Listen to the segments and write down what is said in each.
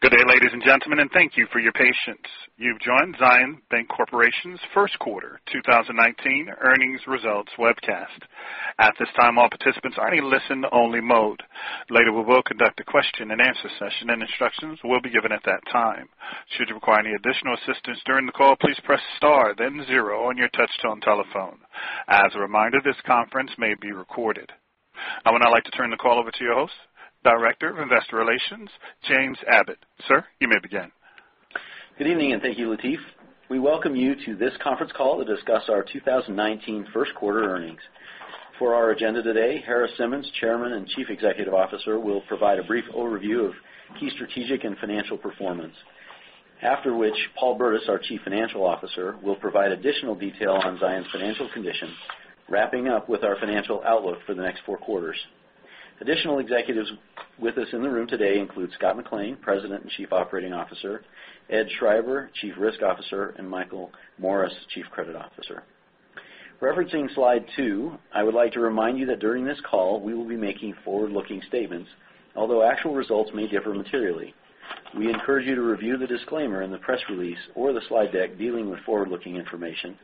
Good day, ladies and gentlemen, and thank you for your patience. You've joined Zions Bancorporation's first quarter 2019 earnings results webcast. At this time, all participants are in a listen only mode. Later, we will conduct a question and answer session, and instructions will be given at that time. Should you require any additional assistance during the call, please press star then zero on your touchtone telephone. As a reminder, this conference may be recorded. I would now like to turn the call over to your host, Director of Investor Relations, James Abbott. Sir, you may begin. Thank you, Lateef. We welcome you to this conference call to discuss our 2019 first quarter earnings. For our agenda today, Harris Simmons, Chairman and Chief Executive Officer, will provide a brief overview of key strategic and financial performance. After which, Paul Burdiss, our Chief Financial Officer, will provide additional detail on Zions' financial condition, wrapping up with our financial outlook for the next four quarters. Additional executives with us in the room today include Scott McLean, President and Chief Operating Officer, Ed Schreiber, Chief Risk Officer, and Michael Morris, Chief Credit Officer. Referencing slide two, I would like to remind you that during this call, we will be making forward-looking statements, although actual results may differ materially. We encourage you to review the disclaimer in the press release or the slide deck dealing with forward-looking information,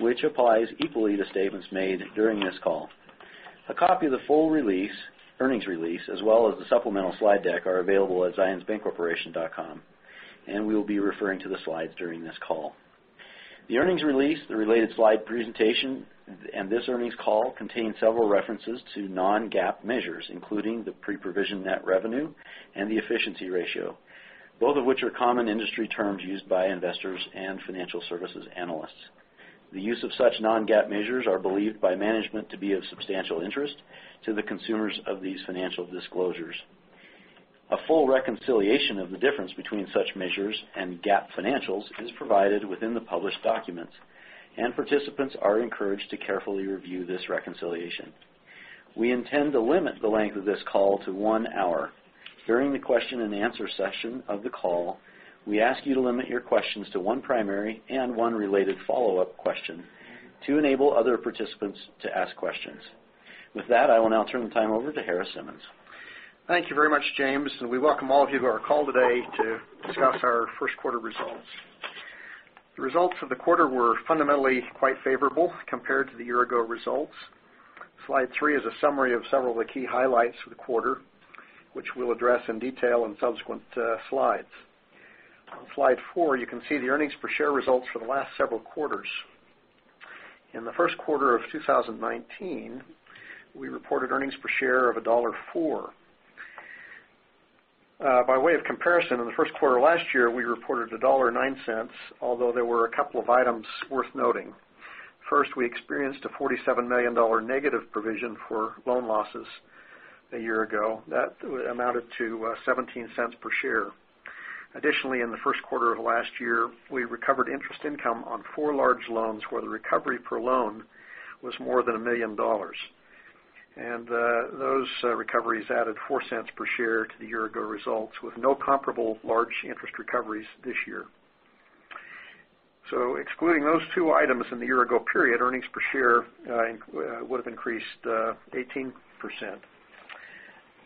which applies equally to statements made during this call. A copy of the full release, earnings release, as well as the supplemental slide deck, are available at zionsbancorporation.com. We will be referring to the slides during this call. The earnings release, the related slide presentation, and this earnings call contain several references to non-GAAP measures, including the pre-provision net revenue and the efficiency ratio, both of which are common industry terms used by investors and financial services analysts. The use of such non-GAAP measures are believed by management to be of substantial interest to the consumers of these financial disclosures. A full reconciliation of the difference between such measures and GAAP financials is provided within the published documents. Participants are encouraged to carefully review this reconciliation. We intend to limit the length of this call to one hour. During the question and answer session of the call, we ask you to limit your questions to one primary and one related follow-up question to enable other participants to ask questions. With that, I will now turn the time over to Harris Simmons. Thank you very much, James, and we welcome all of you to our call today to discuss our first quarter results. The results of the quarter were fundamentally quite favorable compared to the year ago results. Slide three is a summary of several of the key highlights for the quarter, which we will address in detail in subsequent slides. On slide four, you can see the earnings per share results for the last several quarters. In the first quarter of 2019, we reported earnings per share of $1.04. By way of comparison, in the first quarter of last year, we reported $1.09, although there were a couple of items worth noting. First, we experienced a $47 million negative provision for loan losses a year ago. That amounted to $0.17 per share. Additionally, in the first quarter of last year, we recovered interest income on four large loans where the recovery per loan was more than a million dollars. And those recoveries added $0.04 per share to the year ago results with no comparable large interest recoveries this year. So excluding those two items in the year ago period, earnings per share would have increased 18%.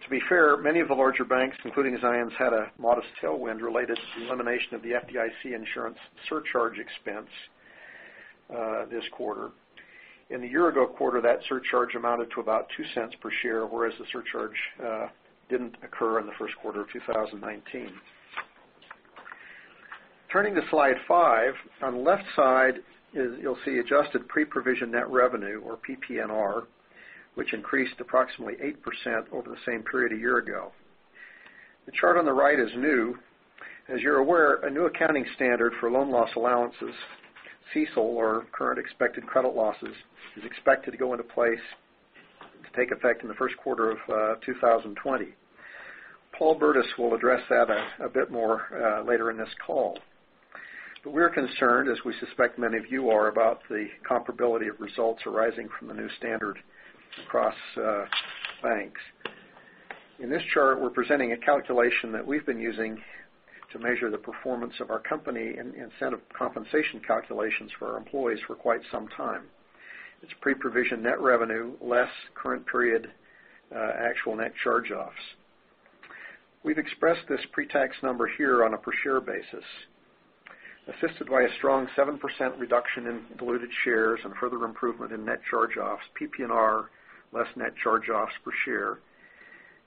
To be fair, many of the larger banks, including Zions, had a modest tailwind related to the elimination of the FDIC insurance surcharge expense this quarter. In the year ago quarter, that surcharge amounted to about $0.02 per share, whereas the surcharge didn't occur in the first quarter of 2019. Turning to slide five, on the left side, you will see adjusted pre-provision net revenue or PPNR, which increased approximately 8% over the same period a year ago. The chart on the right is new. As you are aware, a new accounting standard for loan loss allowances, CECL or current expected credit losses, is expected to go into place to take effect in the first quarter of 2020. Paul Burdiss will address that a bit more later in this call. But we are concerned, as we suspect many of you are, about the comparability of results arising from the new standard across banks. In this chart, we are presenting a calculation that we have been using to measure the performance of our company and set up compensation calculations for our employees for quite some time. It is pre-provision net revenue less current period actual net charge-offs. We have expressed this pre-tax number here on a per share basis. Assisted by a strong 7% reduction in diluted shares and further improvement in net charge-offs, PPNR less net charge-offs per share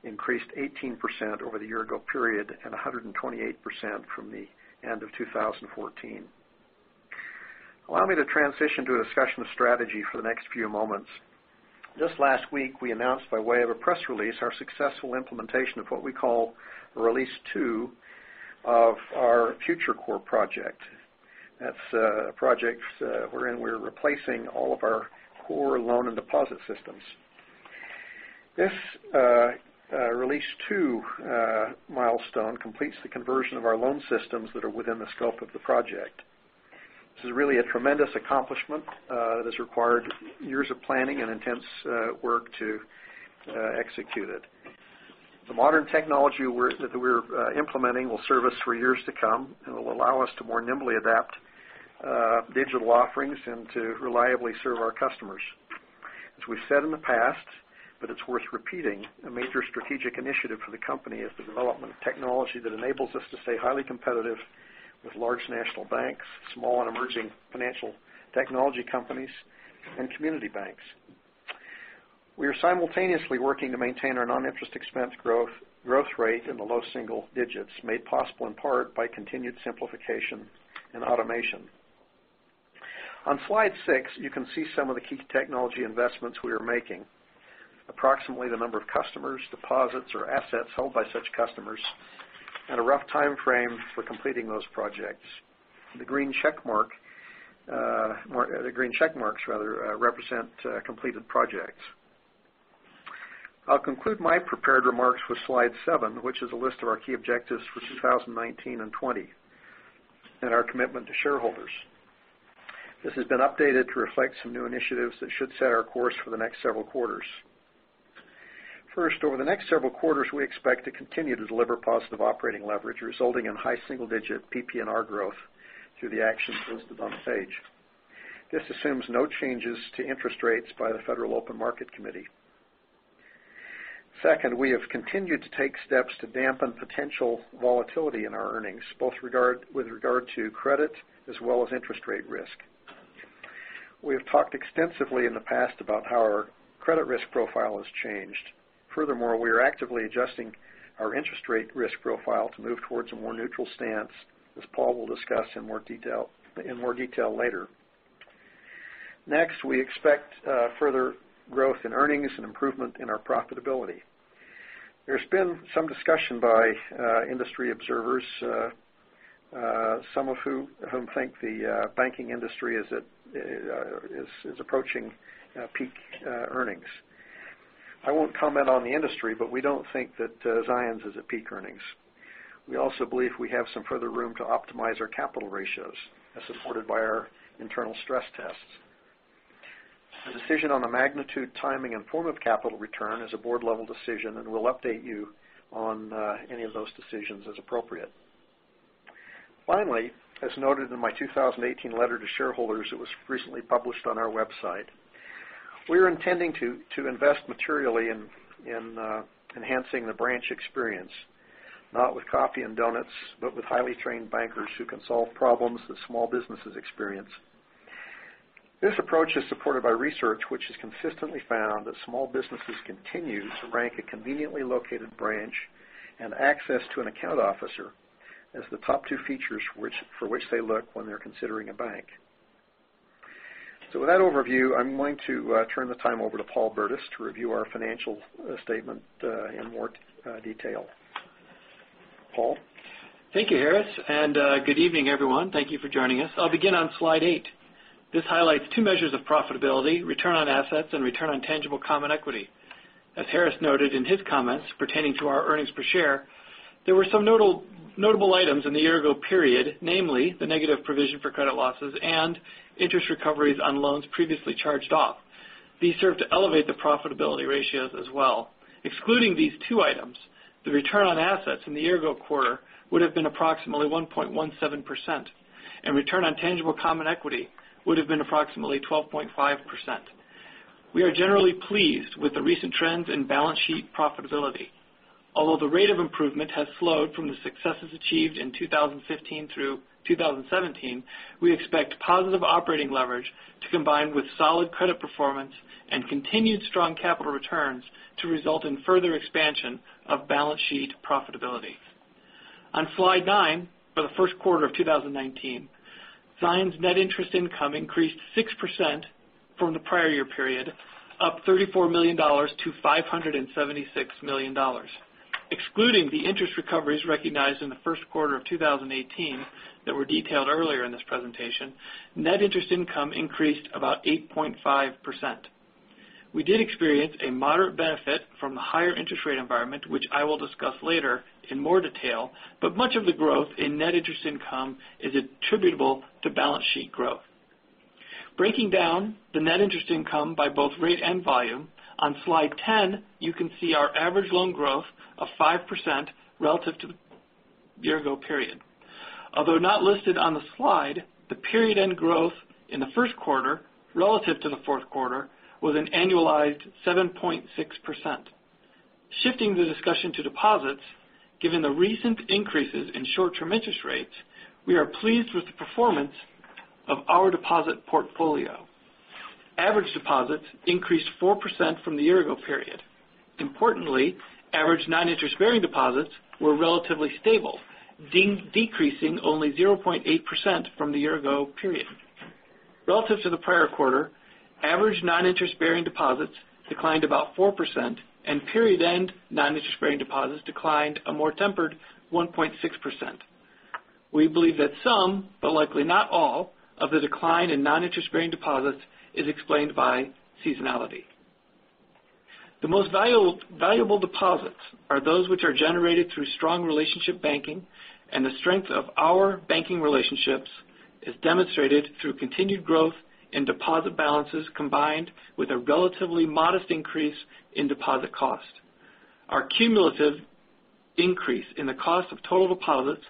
increased 18% over the year ago period and 128% from the end of 2014. Allow me to transition to a discussion of strategy for the next few moments. Just last week, we announced by way of a press release our successful implementation of what we call Release Two of our Future Core project. That is a project wherein we are replacing all of our core loan and deposit systems. This Release Two milestone completes the conversion of our loan systems that are within the scope of the project. This is really a tremendous accomplishment that has required years of planning and intense work to execute it. The modern technology that we're implementing will serve us for years to come and will allow us to more nimbly adapt digital offerings and to reliably serve our customers. As we've said in the past, but it's worth repeating, a major strategic initiative for the company is the development of technology that enables us to stay highly competitive with large national banks, small and emerging financial technology companies, and community banks. We are simultaneously working to maintain our non-interest expense growth rate in the low single digits, made possible in part by continued simplification and automation. On slide six, you can see some of the key technology investments we are making. Approximately the number of customers, deposits, or assets held by such customers, and a rough timeframe for completing those projects. The green check marks represent completed projects. I'll conclude my prepared remarks with slide seven, which is a list of our key objectives for 2019 and 2020, and our commitment to shareholders. This has been updated to reflect some new initiatives that should set our course for the next several quarters. First, over the next several quarters, we expect to continue to deliver positive operating leverage, resulting in high single-digit PPNR growth through the actions listed on the page. This assumes no changes to interest rates by the Federal Open Market Committee. Second, we have continued to take steps to dampen potential volatility in our earnings, both with regard to credit as well as interest rate risk. We have talked extensively in the past about how our credit risk profile has changed. Furthermore, we are actively adjusting our interest rate risk profile to move towards a more neutral stance, as Paul will discuss in more detail later. Next, we expect further growth in earnings and improvement in our profitability. There's been some discussion by industry observers, some of whom think the banking industry is approaching peak earnings. I won't comment on the industry, but we don't think that Zions is at peak earnings. We also believe we have some further room to optimize our capital ratios as supported by our internal stress tests. The decision on the magnitude, timing, and form of capital return is a board-level decision, and we'll update you on any of those decisions as appropriate. Finally, as noted in my 2018 letter to shareholders that was recently published on our website, we are intending to invest materially in enhancing the branch experience, not with coffee and donuts, but with highly trained bankers who can solve problems that small businesses experience. With that overview, I'm going to turn the time over to Paul Burdiss to review our financial statement in more detail. Paul? Thank you, Harris, and good evening, everyone. Thank you for joining us. I will begin on slide eight. This highlights two measures of profitability, return on assets and return on tangible common equity. As Harris noted in his comments pertaining to our earnings per share, there were some notable items in the year-ago period, namely the negative provision for credit losses and interest recoveries on loans previously charged off. These served to elevate the profitability ratios as well. Excluding these two items, the return on assets in the year-ago quarter would have been approximately 1.17%, and return on tangible common equity would have been approximately 12.5%. We are generally pleased with the recent trends in balance sheet profitability. Although the rate of improvement has slowed from the successes achieved in 2015 through 2017, we expect positive operating leverage to combine with solid credit performance and continued strong capital returns to result in further expansion of balance sheet profitability. On slide nine, for the first quarter of 2019, Zions net interest income increased 6% from the prior-year period, up $34 million to $576 million. Excluding the interest recoveries recognized in the first quarter of 2018 that were detailed earlier in this presentation, net interest income increased about 8.5%. We did experience a moderate benefit from the higher interest rate environment, which I will discuss later in more detail, but much of the growth in net interest income is attributable to balance sheet growth. Breaking down the net interest income by both rate and volume, on slide 10, you can see our average loan growth of 5% relative to the year-ago period. Although not listed on the slide, the period-end growth in the first quarter relative to the fourth quarter was an annualized 7.6%. Shifting the discussion to deposits, given the recent increases in short-term interest rates, we are pleased with the performance of our deposit portfolio. Average deposits increased 4% from the year-ago period. Importantly, average non-interest bearing deposits were relatively stable, decreasing only 0.8% from the year-ago period. Relative to the prior-quarter, average non-interest bearing deposits declined about 4%, and period-end non-interest bearing deposits declined a more tempered 1.6%. We believe that some, but likely not all, of the decline in non-interest bearing deposits is explained by seasonality. The most valuable deposits are those which are generated through strong relationship banking, and the strength of our banking relationships is demonstrated through continued growth in deposit balances combined with a relatively modest increase in deposit cost. Our cumulative increase in the cost of total deposits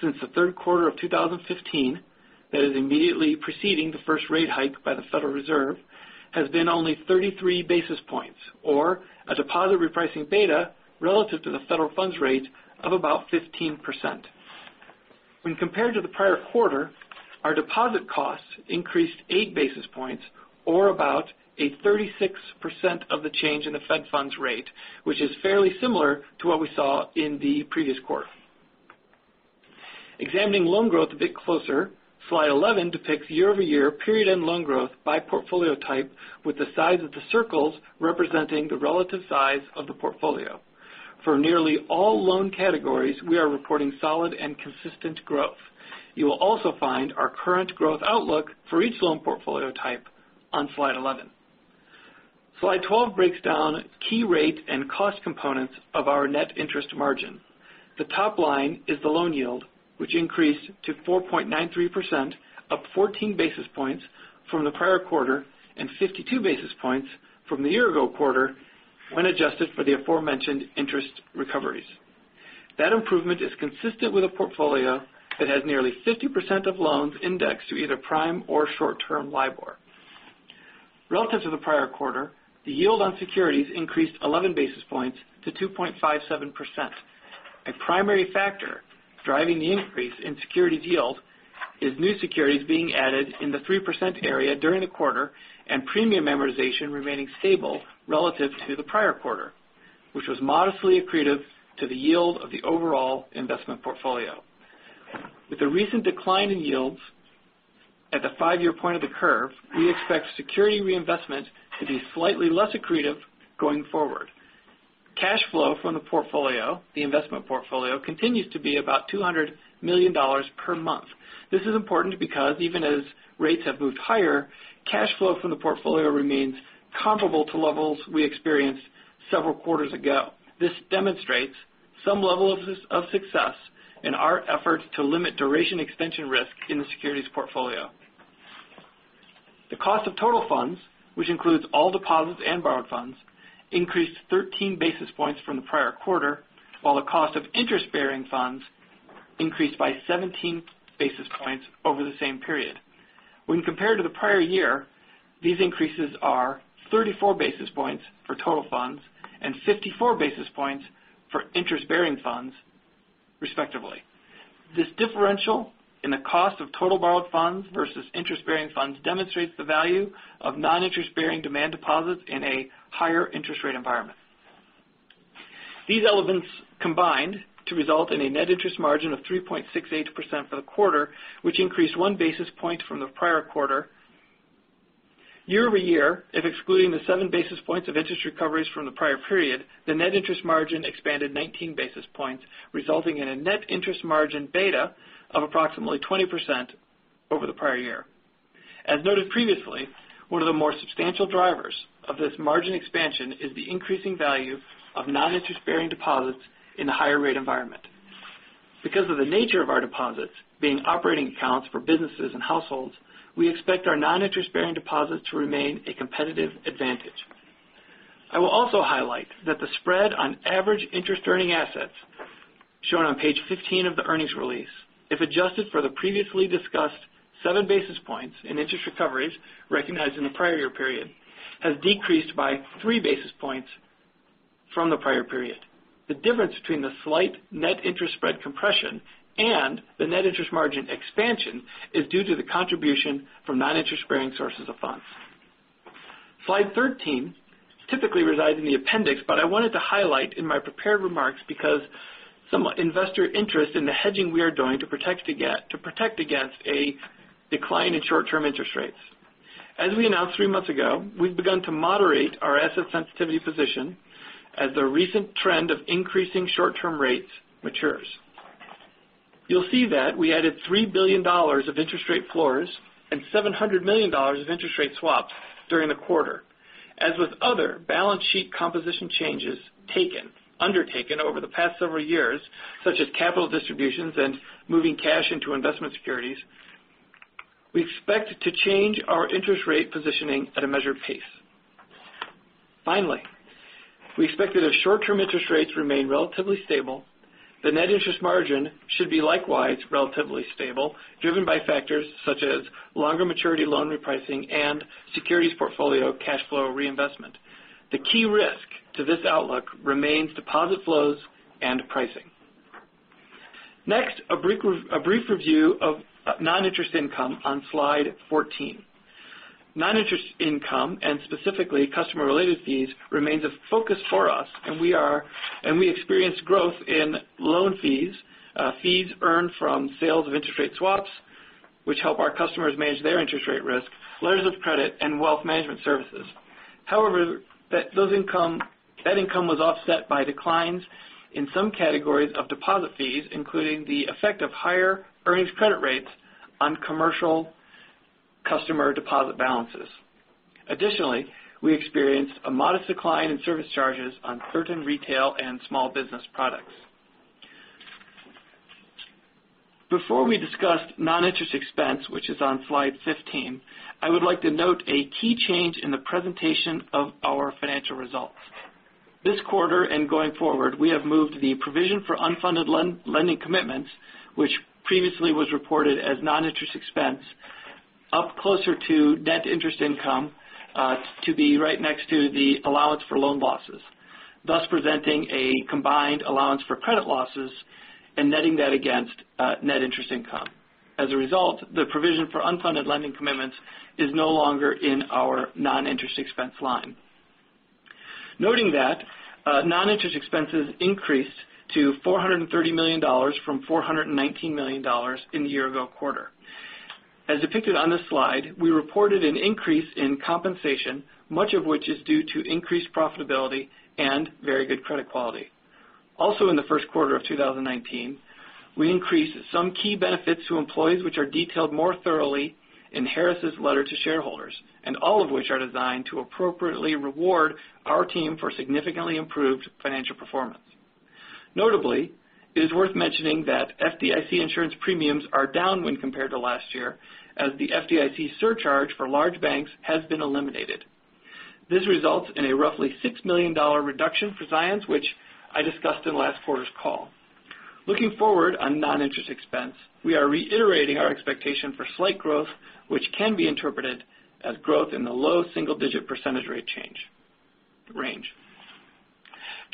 since the third quarter of 2015, that is immediately preceding the first rate hike by the Federal Reserve, has been only 33 basis points, or a deposit repricing beta relative to the federal funds rate of about 15%. When compared to the prior-quarter, our deposit costs increased eight basis points, or about a 36% of the change in the fed funds rate, which is fairly similar to what we saw in the previous-quarter. Examining loan growth a bit closer. Slide 11 depicts year-over-year period-end loan growth by portfolio type, with the size of the circles representing the relative size of the portfolio. For nearly all loan categories, we are reporting solid and consistent growth. You will also find our current growth outlook for each loan portfolio type on slide 11. Slide 12 breaks down key rate and cost components of our net interest margin. The top line is the loan yield, which increased to 4.93%, up 14 basis points from the prior quarter and 52 basis points from the year ago quarter, when adjusted for the aforementioned interest recoveries. That improvement is consistent with a portfolio that has nearly 50% of loans indexed to either prime or short-term LIBOR. Relative to the prior quarter, the yield on securities increased 11 basis points to 2.57%. A primary factor driving the increase in securities yield is new securities being added in the 3% area during the quarter and premium amortization remaining stable relative to the prior quarter, which was modestly accretive to the yield of the overall investment portfolio. With the recent decline in yields at the five-year point of the curve, we expect security reinvestment to be slightly less accretive going forward. Cash flow from the portfolio, the investment portfolio, continues to be about $200 million per month. This is important because even as rates have moved higher, cash flow from the portfolio remains comparable to levels we experienced several quarters ago. This demonstrates some level of success in our efforts to limit duration extension risk in the securities portfolio. The cost of total funds, which includes all deposits and borrowed funds, increased 13 basis points from the prior quarter, while the cost of interest-bearing funds increased by 17 basis points over the same period. When compared to the prior year, these increases are 34 basis points for total funds and 54 basis points for interest-bearing funds, respectively. This differential in the cost of total borrowed funds versus interest-bearing funds demonstrates the value of non-interest-bearing demand deposits in a higher interest rate environment. These elements combined to result in a net interest margin of 3.68% for the quarter, which increased one basis point from the prior quarter. Year-over-year, if excluding the seven basis points of interest recoveries from the prior period, the net interest margin expanded 19 basis points, resulting in a net interest margin beta of approximately 20% over the prior year. As noted previously, one of the more substantial drivers of this margin expansion is the increasing value of non-interest-bearing deposits in the higher rate environment. Because of the nature of our deposits, being operating accounts for businesses and households, we expect our non-interest-bearing deposits to remain a competitive advantage. I will also highlight that the spread on average interest-earning assets shown on page 15 of the earnings release, if adjusted for the previously discussed seven basis points in interest recoveries recognized in the prior year period, has decreased by three basis points from the prior period. The difference between the slight net interest spread compression and the net interest margin expansion is due to the contribution from non-interest-bearing sources of funds. Slide 13 typically resides in the appendix, but I wanted to highlight in my prepared remarks because some investor interest in the hedging we are doing to protect against a decline in short-term interest rates. As we announced three months ago, we've begun to moderate our asset sensitivity position as the recent trend of increasing short-term rates matures. You'll see that we added $3 billion of interest rate floors and $700 million of interest rate swaps during the quarter. As with other balance sheet composition changes undertaken over the past several years, such as capital distributions and moving cash into investment securities, we expect to change our interest rate positioning at a measured pace. Finally, we expect that if short-term interest rates remain relatively stable, the net interest margin should be likewise relatively stable, driven by factors such as longer maturity loan repricing and securities portfolio cash flow reinvestment. The key risk to this outlook remains deposit flows and pricing. Next, a brief review of non-interest income on slide 14. Non-interest income, and specifically customer-related fees, remains a focus for us, and we experienced growth in loan fees earned from sales of interest rate swaps, which help our customers manage their interest rate risk, letters of credit, and wealth management services. However, that income was offset by declines in some categories of deposit fees, including the effect of higher earnings credit rates on commercial customer deposit balances. Additionally, we experienced a modest decline in service charges on certain retail and small business products. Before we discuss non-interest expense, which is on slide 15, I would like to note a key change in the presentation of our financial results. This quarter and going forward, we have moved the provision for unfunded lending commitments, which previously was reported as non-interest expense, up closer to net interest income to be right next to the allowance for loan losses, thus presenting a combined allowance for credit losses and netting that against net interest income. As a result, the provision for unfunded lending commitments is no longer in our non-interest expense line. Noting that, non-interest expenses increased to $430 million from $419 million in the year ago quarter. As depicted on this slide, we reported an increase in compensation, much of which is due to increased profitability and very good credit quality. Also in the first quarter of 2019, we increased some key benefits to employees, which are detailed more thoroughly in Harris' letter to shareholders, and all of which are designed to appropriately reward our team for significantly improved financial performance. Notably, it is worth mentioning that FDIC insurance premiums are down when compared to last year, as the FDIC surcharge for large banks has been eliminated. This results in a roughly $6 million reduction for Zions, which I discussed in last quarter's call. Looking forward on non-interest expense, we are reiterating our expectation for slight growth, which can be interpreted as growth in the low single-digit % rate change range.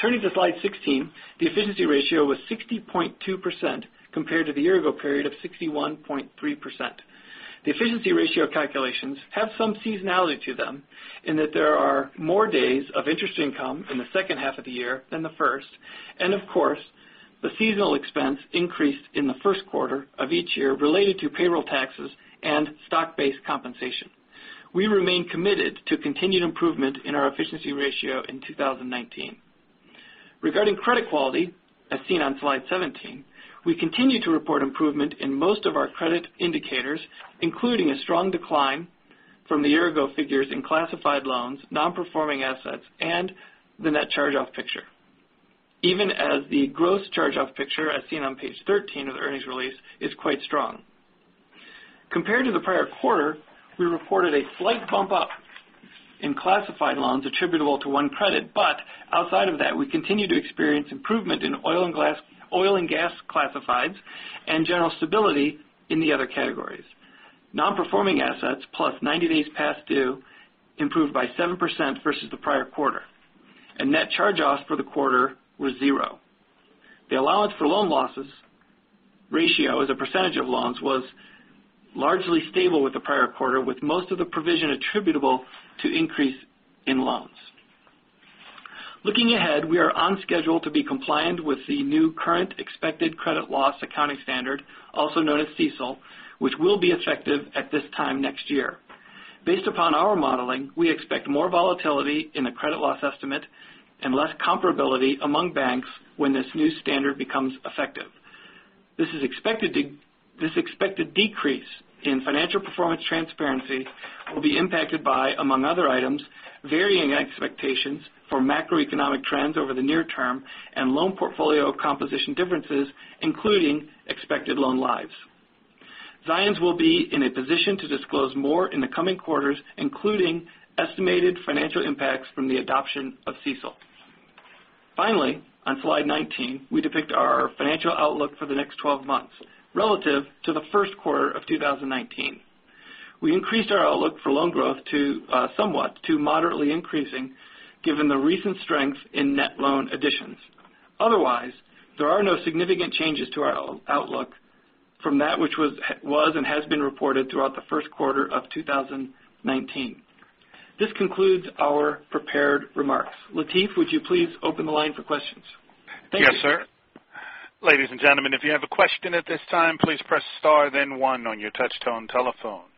Turning to slide 16, the efficiency ratio was 60.2% compared to the year ago period of 61.3%. The efficiency ratio calculations have some seasonality to them, in that there are more days of interest income in the second half of the year than the first, and of course, the seasonal expense increased in the first quarter of each year related to payroll taxes and stock-based compensation. We remain committed to continued improvement in our efficiency ratio in 2019. Regarding credit quality, as seen on slide 17, we continue to report improvement in most of our credit indicators, including a strong decline from the year ago figures in classified loans, non-performing assets, and the net charge-off picture. Even as the gross charge-off picture as seen on page 13 of the earnings release, is quite strong. Compared to the prior quarter, we reported a slight bump up in classified loans attributable to one credit. Outside of that, we continue to experience improvement in oil and gas classifieds and general stability in the other categories. Non-performing assets, plus 90 days past due, improved by 7% versus the prior quarter, and net charge-offs for the quarter was zero. The allowance for loan losses ratio as a percentage of loans was largely stable with the prior quarter, with most of the provision attributable to increase in loans. Looking ahead, we are on schedule to be compliant with the new current expected credit loss accounting standard, also known as CECL, which will be effective at this time next year. Based upon our modeling, we expect more volatility in the credit loss estimate and less comparability among banks when this new standard becomes effective. This expected decrease in financial performance transparency will be impacted by, among other items, varying expectations for macroeconomic trends over the near term and loan portfolio composition differences, including expected loan lives. Zions will be in a position to disclose more in the coming quarters, including estimated financial impacts from the adoption of CECL. Finally, on slide 19, we depict our financial outlook for the next 12 months relative to the first quarter of 2019. We increased our outlook for loan growth somewhat to moderately increasing, given the recent strength in net loan additions. Otherwise, there are no significant changes to our outlook from that which was and has been reported throughout the first quarter of 2019. This concludes our prepared remarks. Lateef, would you please open the line for questions? Thank you. Yes, sir. Ladies and gentlemen, if you have a question at this time, please press star then one on your touch-tone telephone.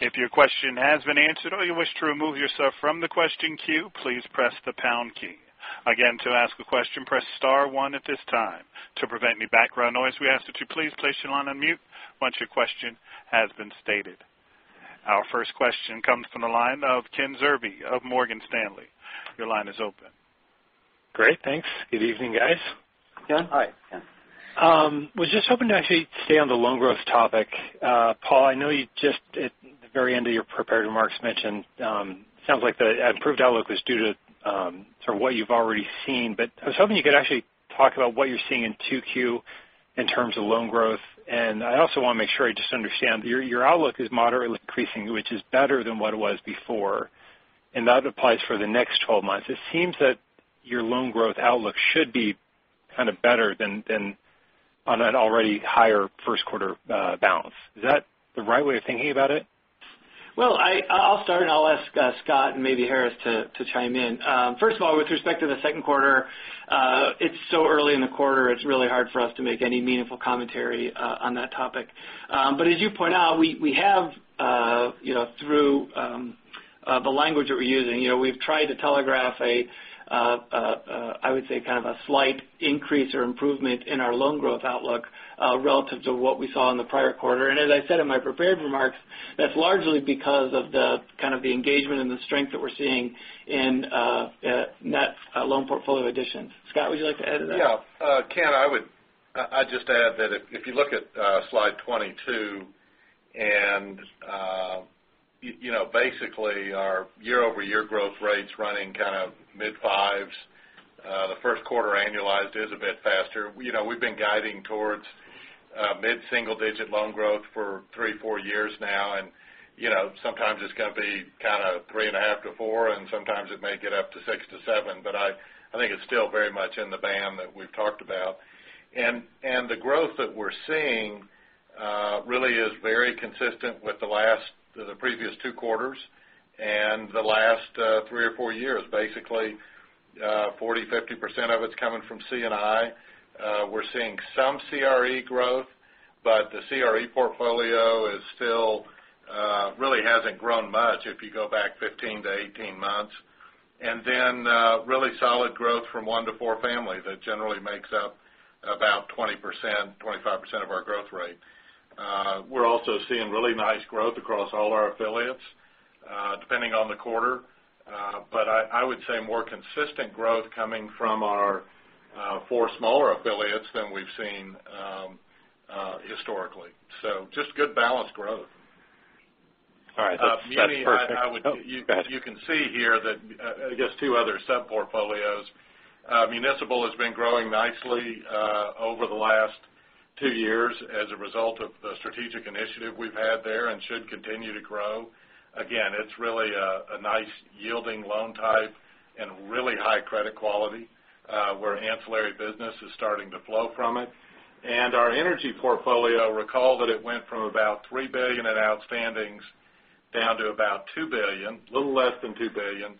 If your question has been answered or you wish to remove yourself from the question queue, please press the pound key. Again, to ask a question, press star one at this time. To prevent any background noise, we ask that you please place your line on mute once your question has been stated. Our first question comes from the line of Kenneth Zerbe of Morgan Stanley. Your line is open. Great. Thanks. Good evening, guys. Ken? Hi, Ken. was just hoping to actually stay on the loan growth topic. Paul, I know you just at the very end of your prepared remarks mentioned, sounds like the improved outlook was due to what you've already seen. I was hoping you could actually talk about what you're seeing in 2Q in terms of loan growth. I also want to make sure I just understand. Your outlook is moderately increasing, which is better than what it was before, and that applies for the next 12 months. It seems that your loan growth outlook should be kind of better than on an already higher first quarter balance. Is that the right way of thinking about it? Well, I'll start, I'll ask Scott and maybe Harris to chime in. First of all, with respect to the second quarter, it's so early in the quarter, it's really hard for us to make any meaningful commentary on that topic. As you point out, we have through the language that we're using, we've tried to telegraph a, I would say, kind of a slight increase or improvement in our loan growth outlook relative to what we saw in the prior quarter. As I said in my prepared remarks, That's largely because of the engagement and the strength that we're seeing in net loan portfolio additions. Scott, would you like to add to that? Yeah. Ken, I'd just add that if you look at slide 22, basically our year-over-year growth rate's running kind of mid-fives. The first quarter annualized is a bit faster. We've been guiding towards mid-single digit loan growth for three, four years now, sometimes it's going to be kind of three and a half to four, sometimes it may get up to six to seven. I think it's still very much in the band that we've talked about. The growth that we're seeing really is very consistent with the previous two quarters and the last three or four years. Basically, 40%-50% of it's coming from C&I. We're seeing some CRE growth, but the CRE portfolio really hasn't grown much if you go back 15 to 18 months. Really solid growth from one to four family, that generally makes up about 20%-25% of our growth rate. We're also seeing really nice growth across all our affiliates, depending on the quarter. I would say more consistent growth coming from our four smaller affiliates than we've seen historically. Just good balanced growth. All right. That's perfect. Oh, go ahead. You can see here that, I guess two other sub-portfolios. Municipal has been growing nicely over the last two years as a result of the strategic initiative we've had there and should continue to grow. Again, it's really a nice yielding loan type and really high credit quality where ancillary business is starting to flow from it. Our energy portfolio, recall that it went from about $3 billion in outstandings down to about $2 billion, a little less than $2 billion.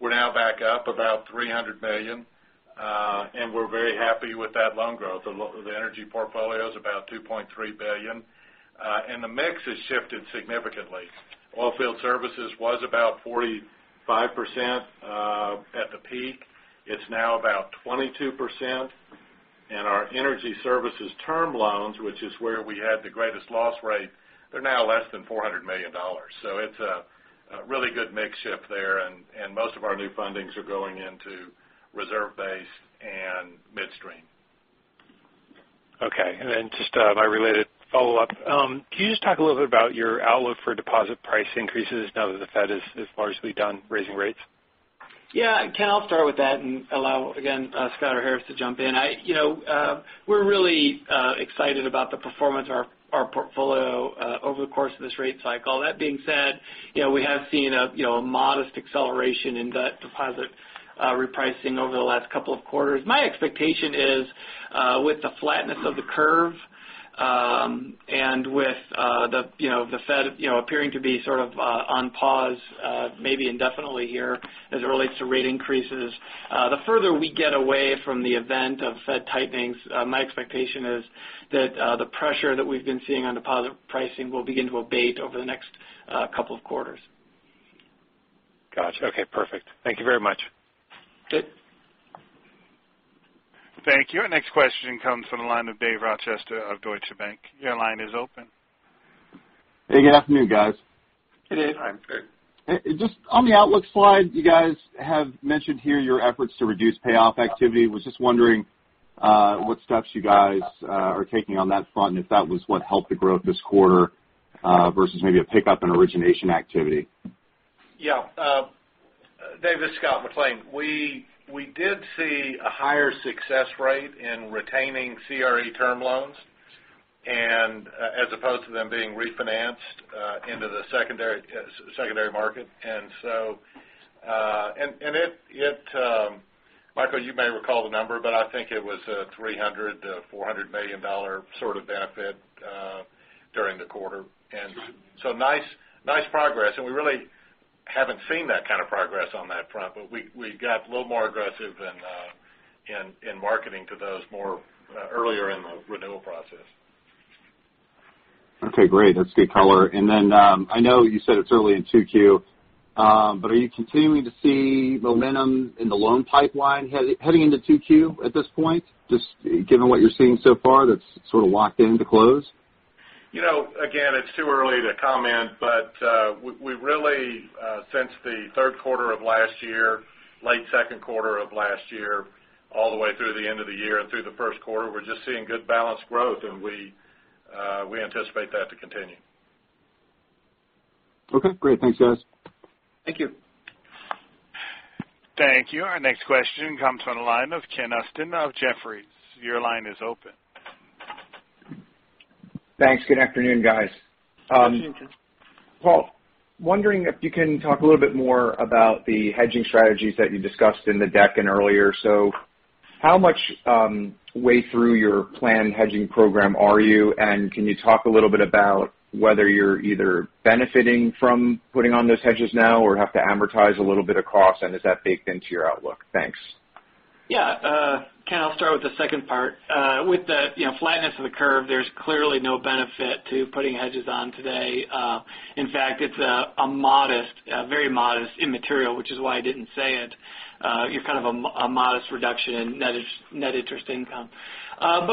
We're now back up about $300 million, and we're very happy with that loan growth. The energy portfolio is about $2.3 billion. The mix has shifted significantly. Oilfield services was about 45% at the peak. It's now about 22%. Our energy services term loans, which is where we had the greatest loss rate, they're now less than $400 million. It's a really good mix shift there, and most of our new fundings are going into reserve base and midstream. Just my related follow-up. Can you just talk a little bit about your outlook for deposit price increases now that the Fed is largely done raising rates? Ken, I'll start with that and allow, again, Scott or Harris to jump in. We're really excited about the performance of our portfolio over the course of this rate cycle. That being said, we have seen a modest acceleration in deposit repricing over the last couple of quarters. My expectation is with the flatness of the curve, and with the Fed appearing to be sort of on pause maybe indefinitely here as it relates to rate increases, the further we get away from the event of Fed tightenings, my expectation is that the pressure that we've been seeing on deposit pricing will begin to abate over the next couple of quarters. Got you. Okay, perfect. Thank you very much. Sure. Thank you. Our next question comes from the line of Dave Rochester of Deutsche Bank. Your line is open. Hey, good afternoon, guys. Hey, Dave. Hi. Just on the outlook slide, you guys have mentioned here your efforts to reduce payoff activity. Was just wondering what steps you guys are taking on that front and if that was what helped the growth this quarter versus maybe a pickup in origination activity. Yeah. Dave Rochester, this is Scott McLean. We did see a higher success rate in retaining CRE term loans as opposed to them being refinanced into the secondary market. Michael Morris, you may recall the number, but I think it was a $300 million-$400 million sort of benefit during the quarter. Nice progress. We really haven't seen that kind of progress on that front, but we got a little more aggressive in marketing to those more earlier in the renewal process. Okay, great. That's good color. I know you said it's early in 2Q, but are you continuing to see momentum in the loan pipeline heading into 2Q at this point, just given what you're seeing so far that's sort of locked in to close? Again, it's too early to comment, but we really, since the third quarter of last year, late second quarter of last year, all the way through the end of the year and through the first quarter, we're just seeing good balanced growth. We anticipate that to continue. Okay, great. Thanks, guys. Thank you. Thank you. Our next question comes from the line of Ken Usdin of Jefferies. Your line is open. Thanks. Good afternoon, guys. Good afternoon, Ken. Paul, wondering if you can talk a little bit more about the hedging strategies that you discussed in the deck and earlier. How much way through your planned hedging program are you, and can you talk a little bit about whether you're either benefiting from putting on those hedges now or have to amortize a little bit of cost, and is that baked into your outlook? Thanks. Yeah. Ken, I'll start with the second part. With the flatness of the curve, there's clearly no benefit to putting hedges on today. In fact, it's a very modest immaterial, which is why I didn't say it. You're kind of a modest reduction in net interest income.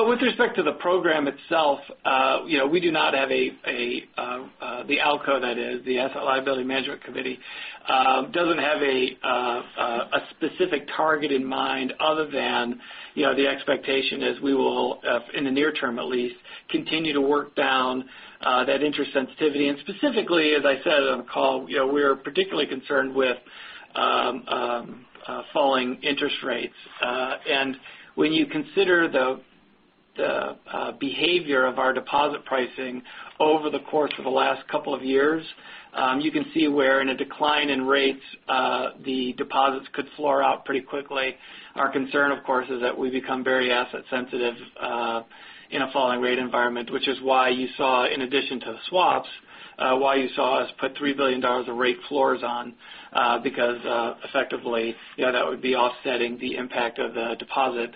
With respect to the program itself, we do not have a. The ALCO, that is, the Asset Liability Management Committee, doesn't have a specific target in mind other than the expectation is we will, in the near term at least, continue to work down that interest sensitivity. Specifically, as I said on the call, we're particularly concerned with falling interest rates. When you consider the behavior of our deposit pricing over the course of the last couple of years, you can see where in a decline in rates, the deposits could floor out pretty quickly. Our concern, of course, is that we become very asset sensitive in a falling rate environment, which is why you saw, in addition to the swaps, why you saw us put $3 billion of rate floors on, because effectively, that would be offsetting the impact of the deposit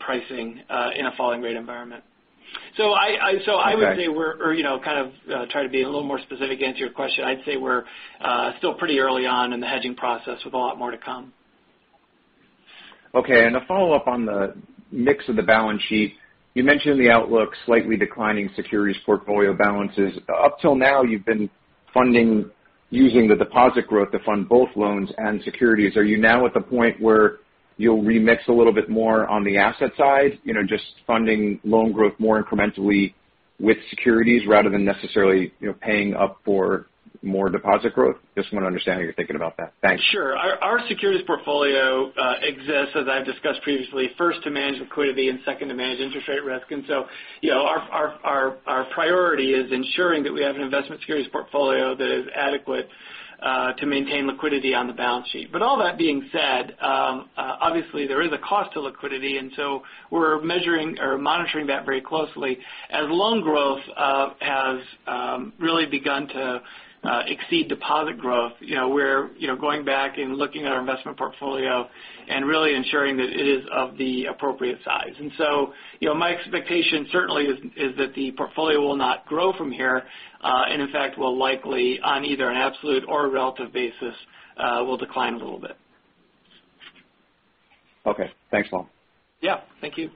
pricing in a falling rate environment. I would say- Okay we're kind of trying to be a little more specific to answer your question. I'd say we're still pretty early on in the hedging process with a lot more to come. Okay. A follow-up on the mix of the balance sheet. You mentioned in the outlook, slightly declining securities portfolio balances. Up till now, you've been funding using the deposit growth to fund both loans and securities. Are you now at the point where you'll remix a little bit more on the asset side, just funding loan growth more incrementally with securities rather than necessarily paying up for more deposit growth? Just want to understand how you're thinking about that. Thanks. Sure. Our securities portfolio exists, as I've discussed previously, first to manage liquidity and second to manage interest rate risk. Our priority is ensuring that we have an investment securities portfolio that is adequate to maintain liquidity on the balance sheet. All that being said, obviously, there is a cost to liquidity, we're measuring or monitoring that very closely. As loan growth has really begun to exceed deposit growth, we're going back and looking at our investment portfolio and really ensuring that it is of the appropriate size. My expectation certainly is that the portfolio will not grow from here, and in fact, will likely, on either an absolute or a relative basis, will decline a little bit. Okay. Thanks, Paul. Yeah. Thank you.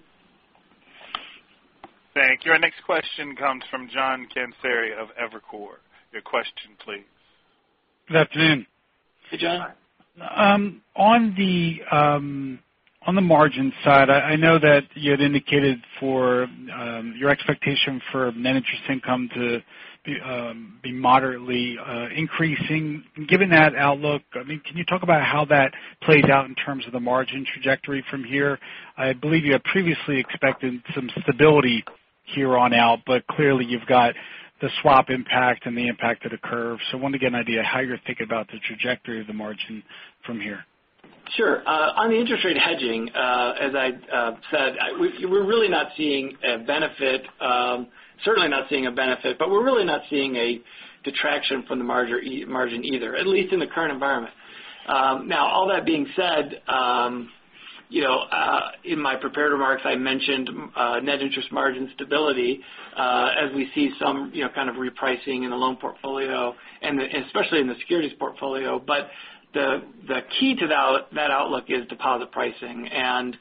Thank you. Our next question comes from John Pancari of Evercore. Your question, please. Good afternoon. Hey, John. On the margin side, I know that you had indicated for your expectation for net interest income to be moderately increasing. Given that outlook, can you talk about how that plays out in terms of the margin trajectory from here? I believe you had previously expected some stability here on out, but clearly you've got the swap impact and the impact of the curve. I wanted to get an idea of how you're thinking about the trajectory of the margin from here. Sure. On the interest rate hedging, as I said, we're really not seeing a benefit. Certainly not seeing a benefit. We're really not seeing a detraction from the margin either, at least in the current environment. All that being said, in my prepared remarks, I mentioned net interest margin stability as we see some kind of repricing in the loan portfolio and especially in the securities portfolio. The key to that outlook is deposit pricing and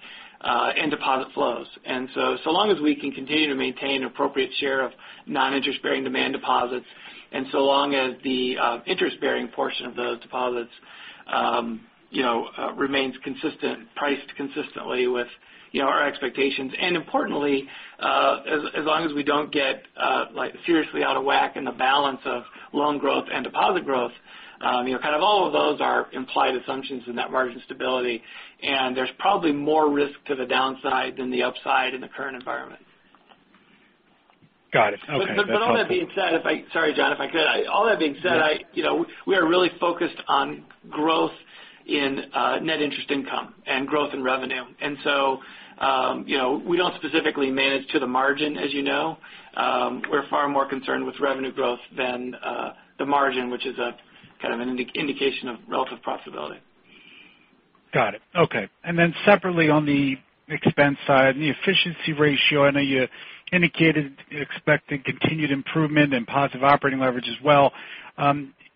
deposit flows. So long as we can continue to maintain appropriate share of non-interest-bearing demand deposits, and so long as the interest-bearing portion of those deposits remains priced consistently with our expectations. Importantly, as long as we don't get seriously out of whack in the balance of loan growth and deposit growth, kind of all of those are implied assumptions in that margin stability, and there's probably more risk to the downside than the upside in the current environment. Got it. Okay. That's helpful. All that being said, sorry John, if I could. All that being said, we are really focused on growth in net interest income and growth in revenue. We don't specifically manage to the margin, as you know. We're far more concerned with revenue growth than the margin, which is a kind of an indication of relative profitability. Got it. Okay. Separately on the expense side and the efficiency ratio. I know you indicated you're expecting continued improvement and positive operating leverage as well.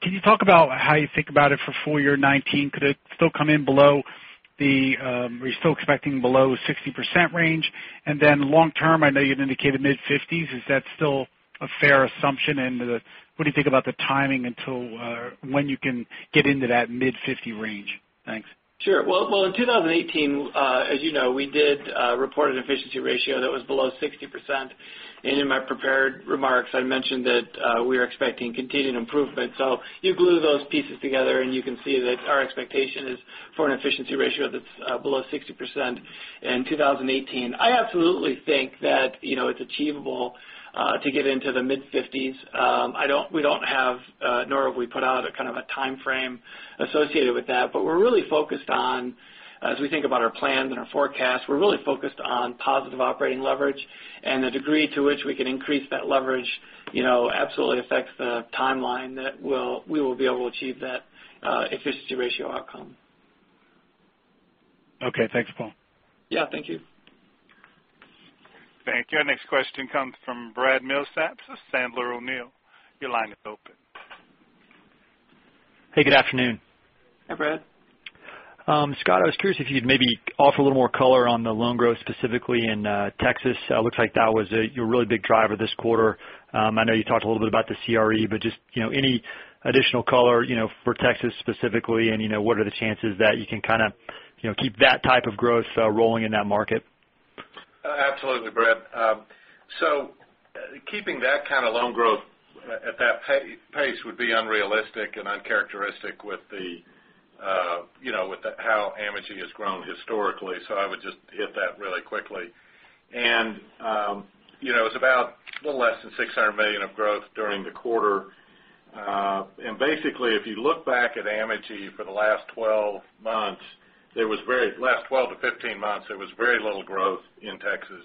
Can you talk about how you think about it for full year 2019? Are you still expecting below 60% range? Then long term, I know you'd indicated mid-50s. Is that still a fair assumption? What do you think about the timing until when you can get into that mid-50 range? Thanks. Sure. Well, in 2018, as you know, we did report an efficiency ratio that was below 60%, in my prepared remarks, I mentioned that we're expecting continued improvement. You glue those pieces together, and you can see that our expectation is for an efficiency ratio that's below 60% in 2018. I absolutely think that it's achievable to get into the mid-50s. We don't have, nor have we put out a kind of a timeframe associated with that. We're really focused on, as we think about our plans and our forecasts, we're really focused on positive operating leverage and the degree to which we can increase that leverage absolutely affects the timeline that we will be able to achieve that efficiency ratio outcome. Okay, thanks, Paul. Yeah, thank you. Thank you. Our next question comes from Brad Milsaps of Sandler O'Neill. Your line is open. Hey, good afternoon. Hi, Brad. Scott, I was curious if you'd maybe offer a little more color on the loan growth, specifically in Texas. Looks like that was your really big driver this quarter. I know you talked a little bit about the CRE, but just any additional color for Texas specifically, and what are the chances that you can kind of keep that type of growth rolling in that market? Absolutely, Brad. Keeping that kind of loan growth at that pace would be unrealistic and uncharacteristic with how Amegy has grown historically. I would just hit that really quickly. It is about a little less than $600 million of growth during the quarter. Basically, if you look back at Amegy for the last 12-15 months, there was very little growth in Texas.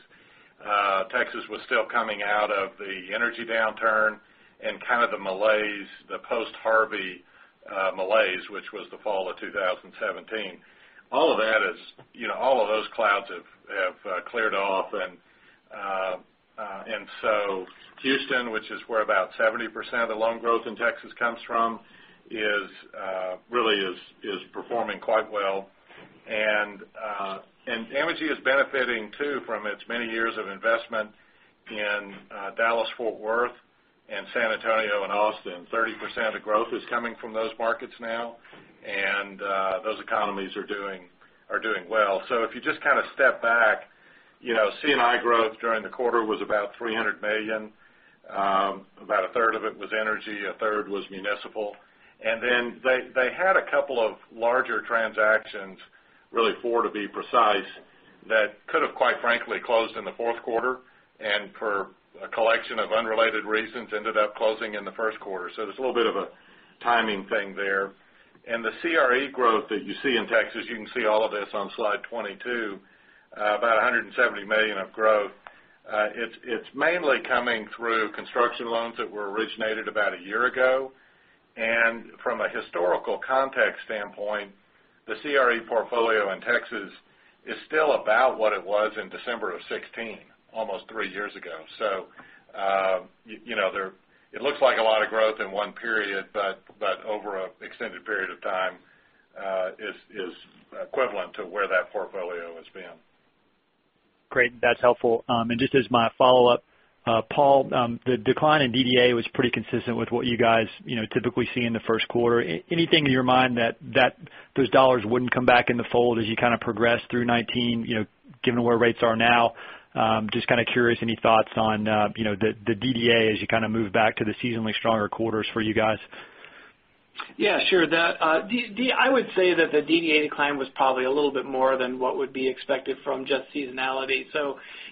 Texas was still coming out of the energy downturn and kind of the malaise, the post-Hurricane Harvey malaise, which was the fall of 2017. All of those clouds have cleared off, and Houston, which is where about 70% of the loan growth in Texas comes from, really is performing quite well. Amegy is benefiting, too, from its many years of investment in Dallas-Fort Worth and San Antonio and Austin. 30% of growth is coming from those markets now, and those economies are doing well. If you just kind of step back, C&I growth during the quarter was about $300 million. About a third of it was energy, a third was municipal. Then they had a couple of larger transactions, really four to be precise, that could have, quite frankly, closed in the fourth quarter, and for a collection of unrelated reasons, ended up closing in the first quarter. So there is a little bit of a timing thing there. The CRE growth that you see in Texas, you can see all of this on slide 22, about $170 million of growth. It is mainly coming through construction loans that were originated about a year ago. From a historical context standpoint, the CRE portfolio in Texas is still about what it was in December of 2016, almost three years ago. So it looks like a lot of growth in one period, but over an extended period of time, is equivalent to where that portfolio has been. Great. That is helpful. Just as my follow-up, Paul, the decline in DDA was pretty consistent with what you guys typically see in the first quarter. Anything in your mind that those dollars wouldn't come back in the fold as you kind of progress through 2019, given where rates are now? Just kind of curious, any thoughts on the DDA as you kind of move back to the seasonally stronger quarters for you guys? Yeah, sure. I would say that the DDA decline was probably a little bit more than what would be expected from just seasonality.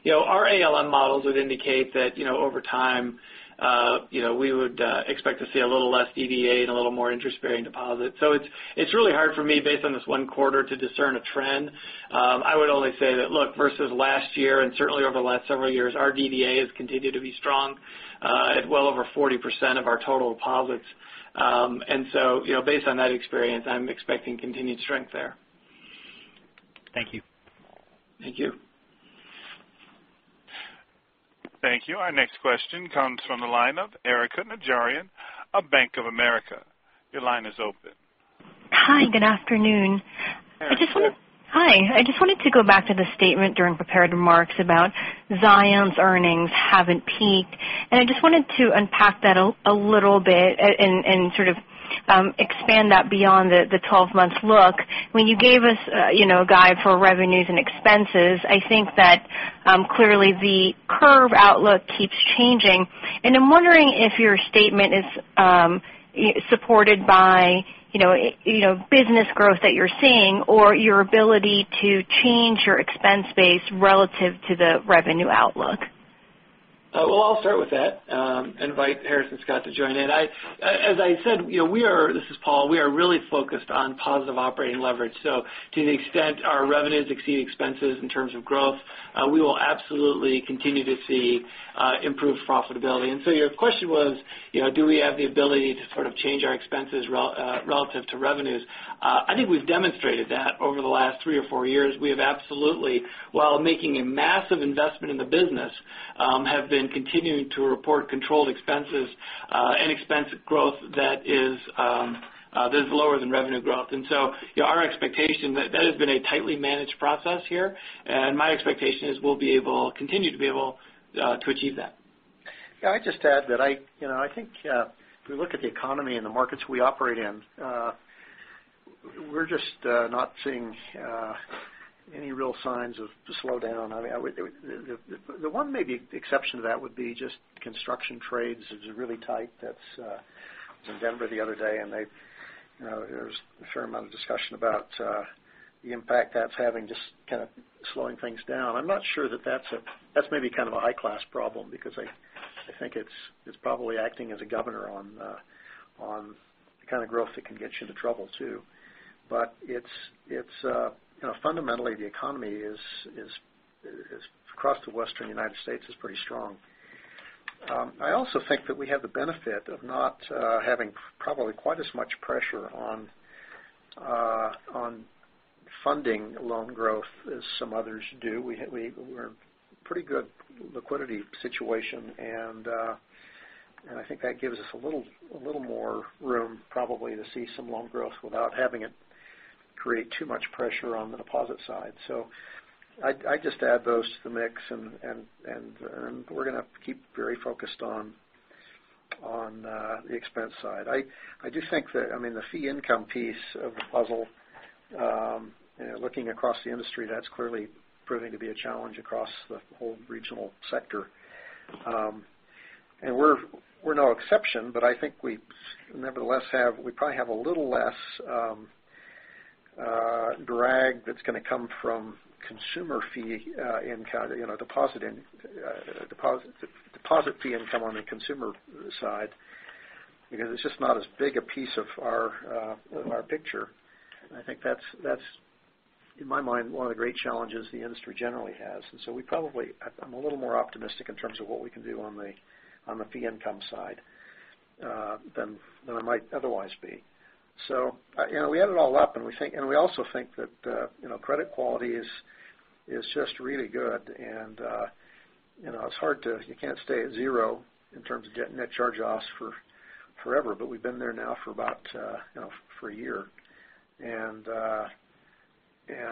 Our ALM models would indicate that over time, we would expect to see a little less DDA and a little more interest-bearing deposits. It's really hard for me, based on this one quarter, to discern a trend. I would only say that, look, versus last year and certainly over the last several years, our DDA has continued to be strong at well over 40% of our total deposits. Based on that experience, I'm expecting continued strength there. Thank you. Thank you. Thank you. Our next question comes from the line of Erika Najarian of Bank of America. Your line is open. Hi, good afternoon. Erika. Hi. I just wanted to go back to the statement during prepared remarks about Zions earnings haven't peaked, and I just wanted to unpack that a little bit and sort of expand that beyond the 12 months look. When you gave us a guide for revenues and expenses, I think that clearly the curve outlook keeps changing, and I'm wondering if your statement is supported by business growth that you're seeing or your ability to change your expense base relative to the revenue outlook. Well, I'll start with that, invite Harris and Scott to join in. As I said, this is Paul, we are really focused on positive operating leverage. To the extent our revenues exceed expenses in terms of growth, we will absolutely continue to see improved profitability. Your question was, do we have the ability to sort of change our expenses relative to revenues? I think we've demonstrated that over the last three or four years. We have absolutely, while making a massive investment in the business, have been continuing to report controlled expenses and expense growth that is lower than revenue growth. That has been a tightly managed process here, and my expectation is we'll continue to be able to achieve that. Yeah, I'd just add that I think if we look at the economy and the markets we operate in, we're just not seeing any real signs of slowdown. The one maybe exception to that would be just construction trades is really tight. I was in Denver the other day, and there was a fair amount of discussion about the impact that's having, just kind of slowing things down. That's maybe kind of a high-class problem because I think it's probably acting as a governor on the kind of growth that can get you into trouble, too. Fundamentally, the economy across the Western U.S. is pretty strong. I also think that we have the benefit of not having probably quite as much pressure on Funding loan growth as some others do. We're in pretty good liquidity situation, and I think that gives us a little more room probably to see some loan growth without having it create too much pressure on the deposit side. I'd just add those to the mix and we're going to keep very focused on the expense side. I do think that, the fee income piece of the puzzle, looking across the industry, that's clearly proving to be a challenge across the whole regional sector. We're no exception, but I think we probably have a little less drag that's going to come from consumer fee income, deposit fee income on the consumer side, because it's just not as big a piece of our picture. I think that's, in my mind, one of the great challenges the industry generally has. I'm a little more optimistic in terms of what we can do on the fee income side, than I might otherwise be. We add it all up, and we also think that credit quality is just really good and you can't stay at zero in terms of net charge-offs for forever, but we've been there now for about for a year.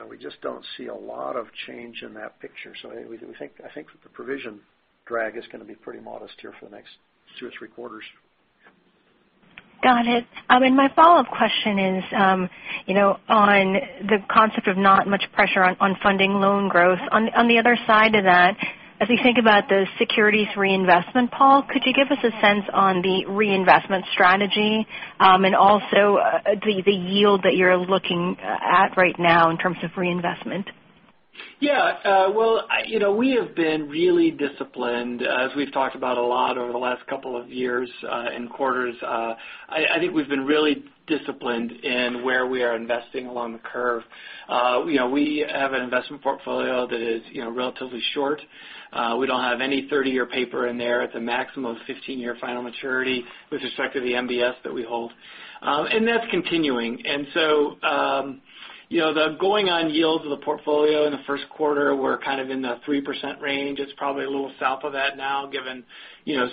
We just don't see a lot of change in that picture. I think that the provision drag is going to be pretty modest here for the next two to three quarters. Got it. My follow-up question is, on the concept of not much pressure on funding loan growth. On the other side of that, as we think about those securities reinvestment, Paul, could you give us a sense on the reinvestment strategy? Also the yield that you're looking at right now in terms of reinvestment? Yeah. We have been really disciplined, as we've talked about a lot over the last couple of years, and quarters. I think we've been really disciplined in where we are investing along the curve. We have an investment portfolio that is relatively short. We don't have any 30-year paper in there. It's a maximum of 15-year final maturity with respect to the MBS that we hold. That's continuing. The going on yields of the portfolio in the first quarter were kind of in the 3% range. It's probably a little south of that now, given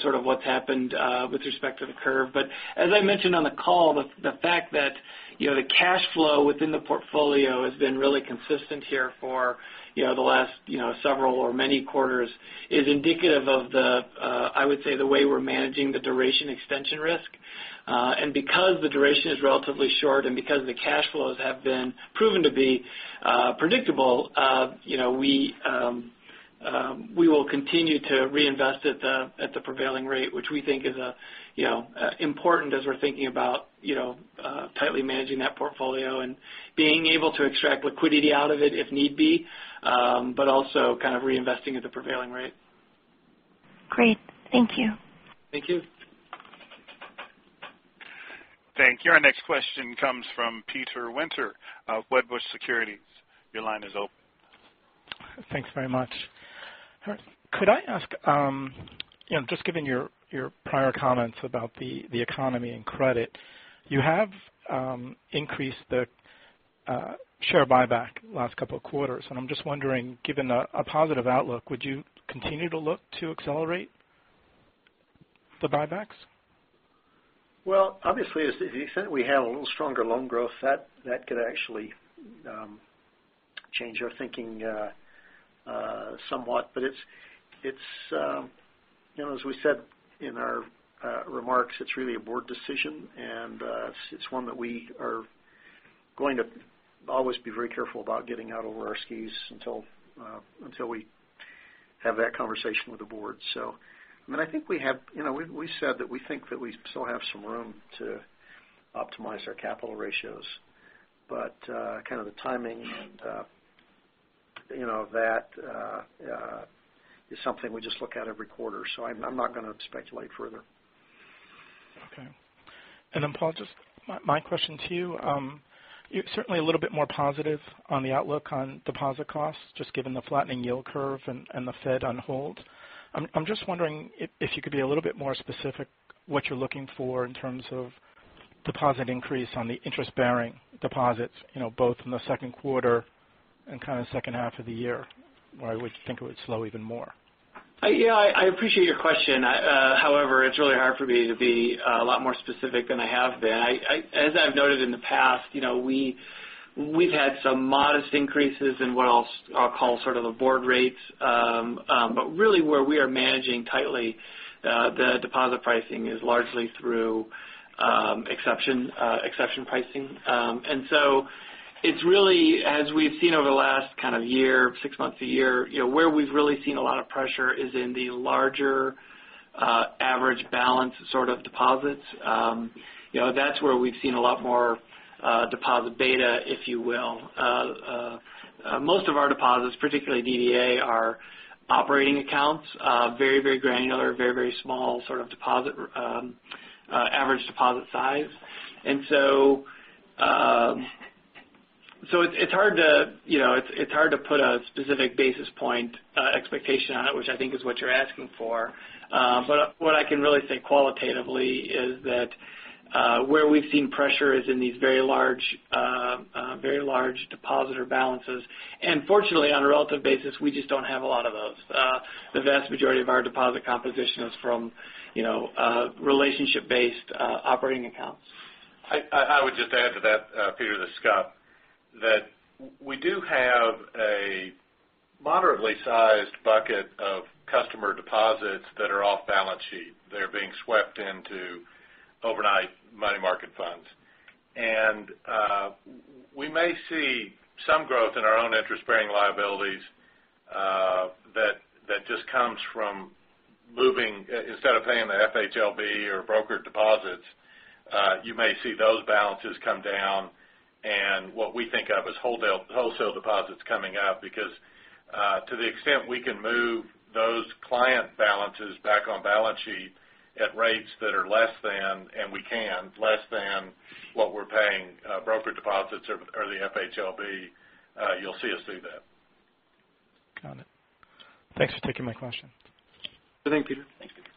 sort of what's happened with respect to the curve. As I mentioned on the call, the fact that the cash flow within the portfolio has been really consistent here for the last several or many quarters is indicative of the, I would say, the way we're managing the duration extension risk. Because the duration is relatively short and because the cash flows have been proven to be predictable, we will continue to reinvest at the prevailing rate, which we think is important as we're thinking about tightly managing that portfolio and being able to extract liquidity out of it if need be. Also kind of reinvesting at the prevailing rate. Great. Thank you. Thank you. Thank you. Our next question comes from Peter Winter of Wedbush Securities. Your line is open. Thanks very much. Could I ask, just given your prior comments about the economy and credit, you have increased the share buyback last couple of quarters. I'm just wondering, given a positive outlook, would you continue to look to accelerate the buybacks? Well, obviously, to the extent we have a little stronger loan growth, that could actually change our thinking somewhat. As we said in our remarks, it's really a board decision, and it's one that we are going to always be very careful about getting out over our skis until we have that conversation with the board. We said that we think that we still have some room to optimize our capital ratios, but kind of the timing and that is something we just look at every quarter. I'm not going to speculate further. Okay. Paul, just my question to you. You're certainly a little bit more positive on the outlook on deposit costs, just given the flattening yield curve and the Fed on hold. I'm just wondering if you could be a little bit more specific what you're looking for in terms of deposit increase on the interest bearing deposits, both in the second quarter and kind of second half of the year, where we think it would slow even more. I appreciate your question. However, it's really hard for me to be a lot more specific than I have been. As I've noted in the past, we've had some modest increases in what I'll call sort of the board rates. Really where we are managing tightly the deposit pricing is largely through exception pricing. It's really, as we've seen over the last kind of year, six months a year, where we've really seen a lot of pressure is in the larger average balance sort of deposits. That's where we've seen a lot more deposit beta, if you will. Most of our deposits, particularly DDA, are operating accounts. Very granular, very small sort of average deposit size. It's hard to put a specific basis point expectation on it, which I think is what you're asking for. What I can really say qualitatively is that. Where we've seen pressure is in these very large depositor balances. Fortunately, on a relative basis, we just don't have a lot of those. The vast majority of our deposit composition is from relationship-based operating accounts. I would just add to that, Peter, this is Scott, that we do have a moderately sized bucket of customer deposits that are off balance sheet. They're being swept into overnight money market funds. We may see some growth in our own interest-bearing liabilities that just comes from. Instead of paying the FHLB or broker deposits, you may see those balances come down, and what we think of as wholesale deposits coming up. To the extent we can move those client balances back on balance sheet at rates that are less than, and we can, less than what we're paying brokerage deposits or the FHLB, you'll see us do that. Got it. Thanks for taking my question. Good. Thanks, Peter. Thanks, Peter.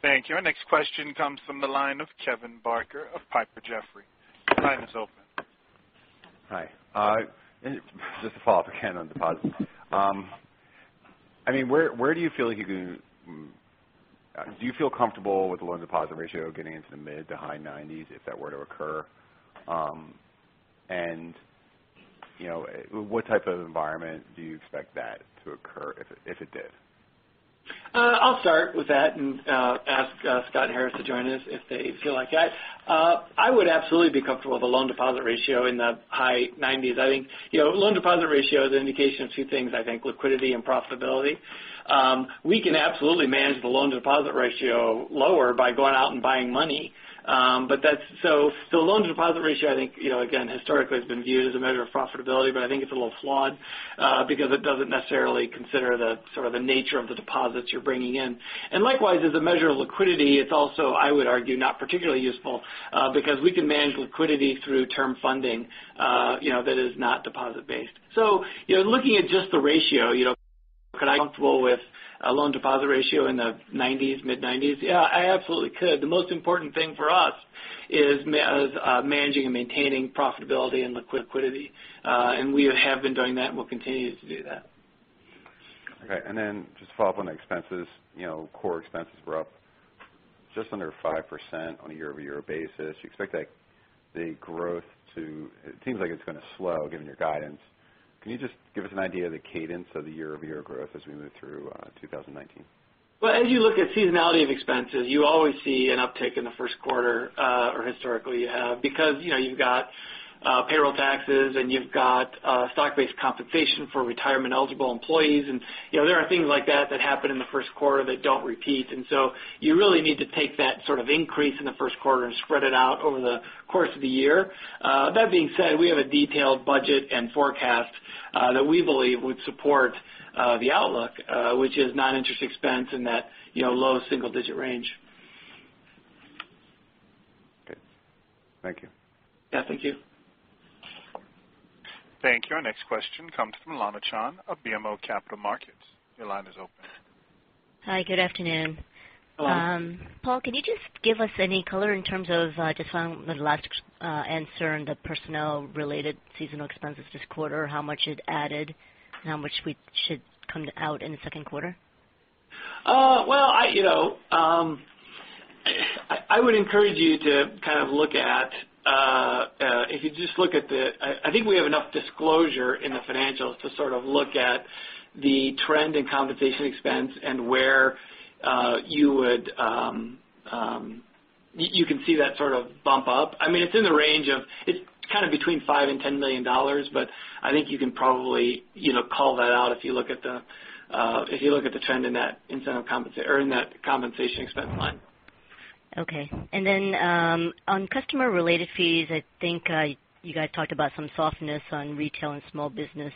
Thank you. Our next question comes from the line of Kevin Barker of Piper Jaffray. Your line is open. Hi. Just to follow up again on deposits. Do you feel comfortable with the loan deposit ratio getting into the mid to high 90s if that were to occur? What type of environment do you expect that to occur if it did? I'll start with that and ask Scott and James to join in if they feel like it. I would absolutely be comfortable with the loan deposit ratio in the high 90s. I think, loan deposit ratio is an indication of two things, I think, liquidity and profitability. We can absolutely manage the loan deposit ratio lower by going out and buying money. The loan deposit ratio, I think, again, historically has been viewed as a measure of profitability, but I think it's a little flawed because it doesn't necessarily consider the nature of the deposits you're bringing in. Likewise, as a measure of liquidity, it's also, I would argue, not particularly useful because we can manage liquidity through term funding that is not deposit based. Looking at just the ratio, could I be comfortable with a loan deposit ratio in the 90s, mid-90s? Yeah, I absolutely could. The most important thing for us is managing and maintaining profitability and liquidity. We have been doing that and we'll continue to do that. Okay, just to follow up on the expenses. Core expenses were up just under 5% on a year-over-year basis. You expect the growth, it seems like it's going to slow, given your guidance. Can you just give us an idea of the cadence of the year-over-year growth as we move through 2019? Well, as you look at seasonality of expenses, you always see an uptick in the first quarter, or historically you have, because you've got payroll taxes, and you've got stock-based compensation for retirement eligible employees. There are things like that that happen in the first quarter that don't repeat. So you really need to take that increase in the first quarter and spread it out over the course of the year. That being said, we have a detailed budget and forecast that we believe would support the outlook, which is non-interest expense in that low single digit range. Okay. Thank you. Yeah, thank you. Thank you. Our next question comes from Lana Chan of BMO Capital Markets. Your line is open. Hi, good afternoon. Hello. Paul, can you just give us any color in terms of, just following the last answer and the personnel related seasonal expenses this quarter, how much it added, and how much we should come out in the second quarter? I think we have enough disclosure in the financials to look at the trend in compensation expense and where you can see that bump up. It's between $5 million and $10 million, but I think you can probably call that out if you look at the trend in that compensation expense line. Okay. Then, on customer related fees, I think you guys talked about some softness on retail and small business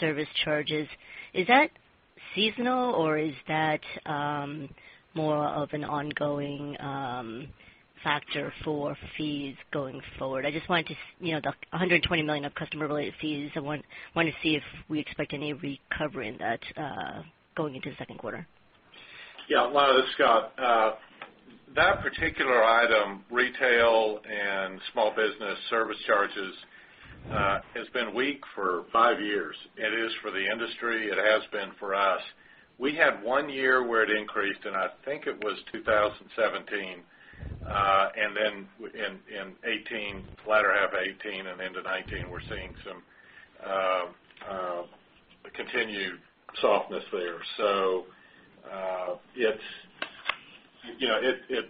service charges. Is that seasonal, or is that more of an ongoing factor for fees going forward? The $120 million of customer related fees, I want to see if we expect any recovery in that going into the second quarter. Yeah. Lana, this is Scott. That particular item, retail and small business service charges, has been weak for five years. It is for the industry. It has been for us. We had one year where it increased, and I think it was 2017. Then in latter half 2018 and into 2019, we're seeing some continued softness there.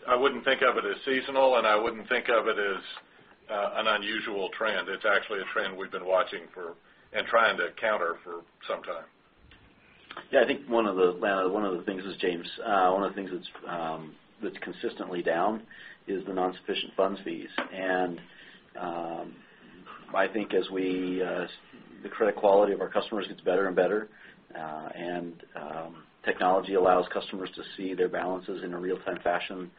I wouldn't think of it as seasonal, and I wouldn't think of it as an unusual trend. It's actually a trend we've been watching and trying to counter for some time. Yeah. This is James. One of the things that's consistently down is the non-sufficient funds fees. I think as the credit quality of our customers gets better and better, and technology allows customers to see their balances in a real time fashion,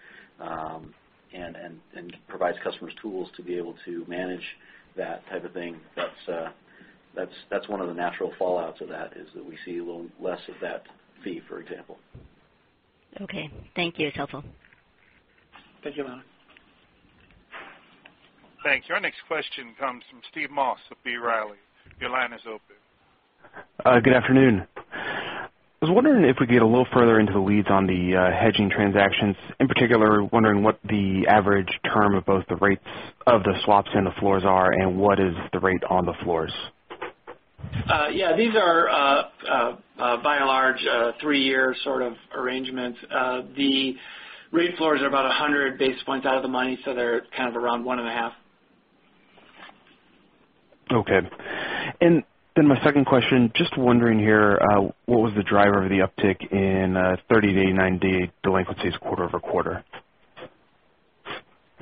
and provides customers tools to be able to manage that type of thing, That's one of the natural fallouts of that, is that we see a little less of that fee, for example. Okay. Thank you. It's helpful. Thank you, Lana. Thanks. Your next question comes from Steve Moss of B. Riley. Your line is open. Good afternoon. I was wondering if we could get a little further into the leads on the hedging transactions. In particular, wondering what the average term of both the rates of the swaps and the floors are, and what is the rate on the floors? Yeah. These are, by and large, three-year arrangements. The rate floors are about 100 basis points out of the money, so they're kind of around one and a half. Okay. My second question, just wondering here, what was the driver of the uptick in 30-day, 90-day delinquencies quarter-over-quarter?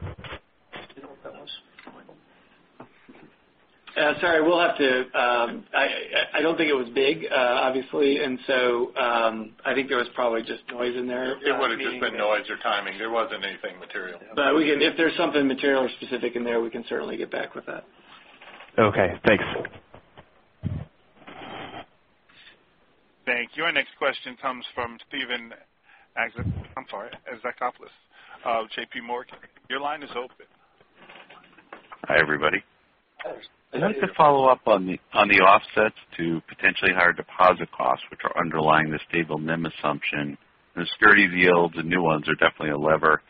Do you know what that was, Michael? Sorry, I don't think it was big, obviously. I think there was probably just noise in there. It would've just been noise or timing. There wasn't anything material. If there's something material or specific in there, we can certainly get back with that. Okay, thanks. Thank you. Our next question comes from Steven, I'm sorry, Alexopoulos of JPMorgan. Your line is open. Hi, everybody. Hi. I'd like to follow up on the offsets to potentially higher deposit costs, which are underlying the stable NIM assumption. The securities yields and new ones are definitely a lever,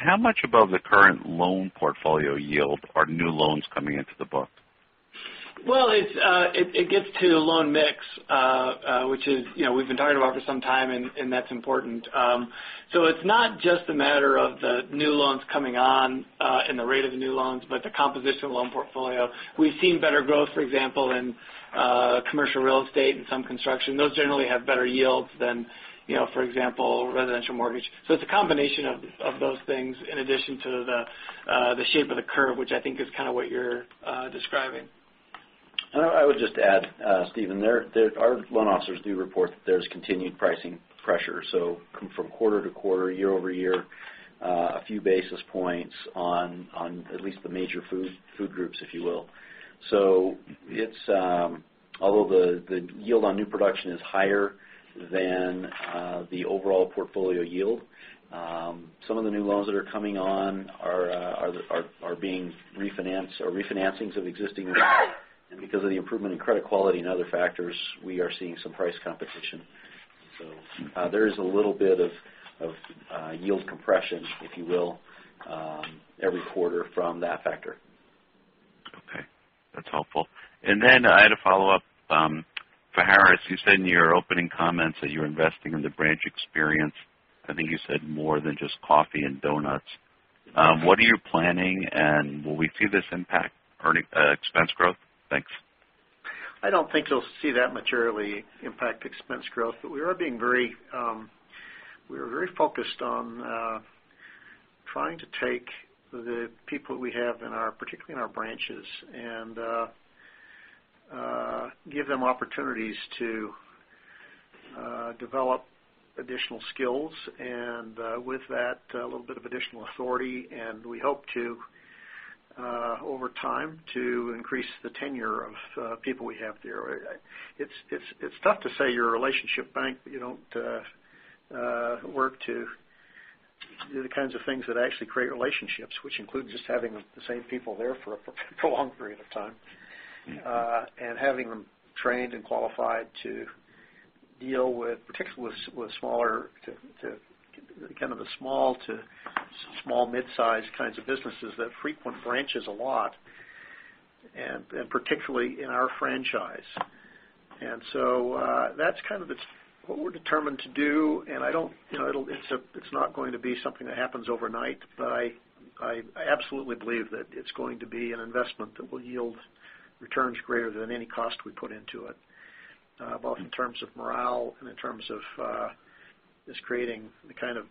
how much above the current loan portfolio yield are new loans coming into the book? Well, it gets to loan mix, which we've been talking about for some time, and that's important. It's not just a matter of the new loans coming on and the rate of the new loans, but the composition of the loan portfolio. We've seen better growth, for example, in commercial real estate and some construction. Those generally have better yields than, for example, residential mortgage. It's a combination of those things in addition to the shape of the curve, which I think is kind of what you're describing. I would just add, Steven, our loan officers do report that there's continued pricing pressure. From quarter to quarter, year over year, a few basis points on at least the major food groups, if you will. Although the yield on new production is higher than the overall portfolio yield, some of the new loans that are coming on are refinancings of existing loans. Because of the improvement in credit quality and other factors, we are seeing some price competition. There is a little bit of yield compression, if you will, every quarter from that factor. Okay. That's helpful. I had a follow-up for Harris. You said in your opening comments that you're investing in the branch experience. I think you said more than just coffee and donuts. What are you planning, and will we see this impact expense growth? Thanks. I don't think you'll see that materially impact expense growth. We are very focused on trying to take the people we have, particularly in our branches, and give them opportunities to develop additional skills and with that, a little bit of additional authority. We hope to, over time, increase the tenure of people we have there. It's tough to say you're a relationship bank, you don't work to do the kinds of things that actually create relationships, which include just having the same people there for a long period of time. Having them trained and qualified to deal with particularly the small to small mid-size kinds of businesses that frequent branches a lot, and particularly in our franchise. That's what we're determined to do. It's not going to be something that happens overnight. I absolutely believe that it's going to be an investment that will yield returns greater than any cost we put into it, both in terms of morale and in terms of just creating the kind of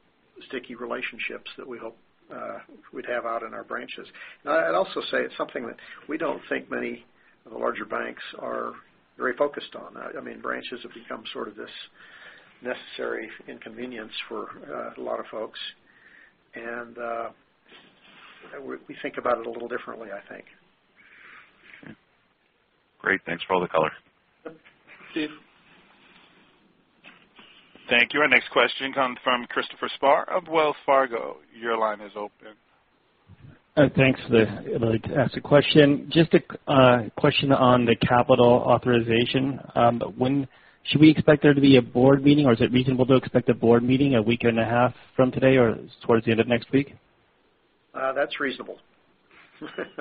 sticky relationships that we hope we'd have out in our branches. I'd also say it's something that we don't think many of the larger banks are very focused on. Branches have become sort of this necessary inconvenience for a lot of folks. We think about it a little differently, I think. Okay. Great. Thanks for all the color. Thanks, Steven. Thank you. Our next question comes from Christopher Spahr of Wells Fargo. Your line is open. Thanks. I'd like to ask a question. Just a question on the capital authorization. Should we expect there to be a board meeting, or is it reasonable to expect a board meeting a week and a half from today, or towards the end of next week? That's reasonable.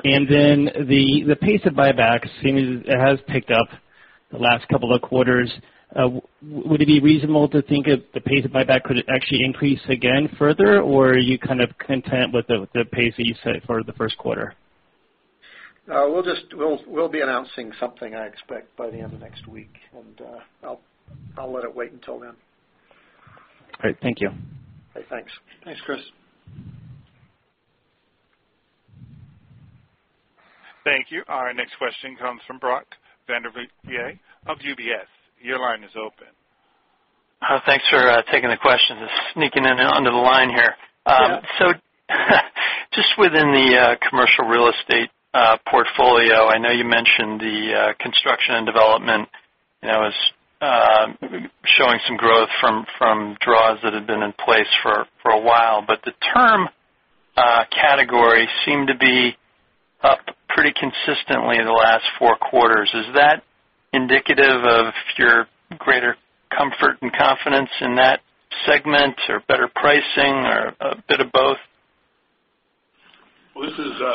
The pace of buybacks, seeing as it has picked up the last couple of quarters, would it be reasonable to think if the pace of buyback could actually increase again further? Are you kind of content with the pace that you set for the first quarter? We'll be announcing something, I expect, by the end of next week, and I'll let it wait until then. Great. Thank you. Thanks. Thanks, Chris. Thank you. Our next question comes from Brody Preston of UBS. Your line is open. Thanks for taking the questions. Sneaking in under the line here. Yeah. Within the commercial real estate portfolio, I know you mentioned the construction and development is showing some growth from draws that have been in place for a while, the term category seemed to be up pretty consistently in the last four quarters. Is that indicative of your greater comfort and confidence in that segment or better pricing or a bit of both?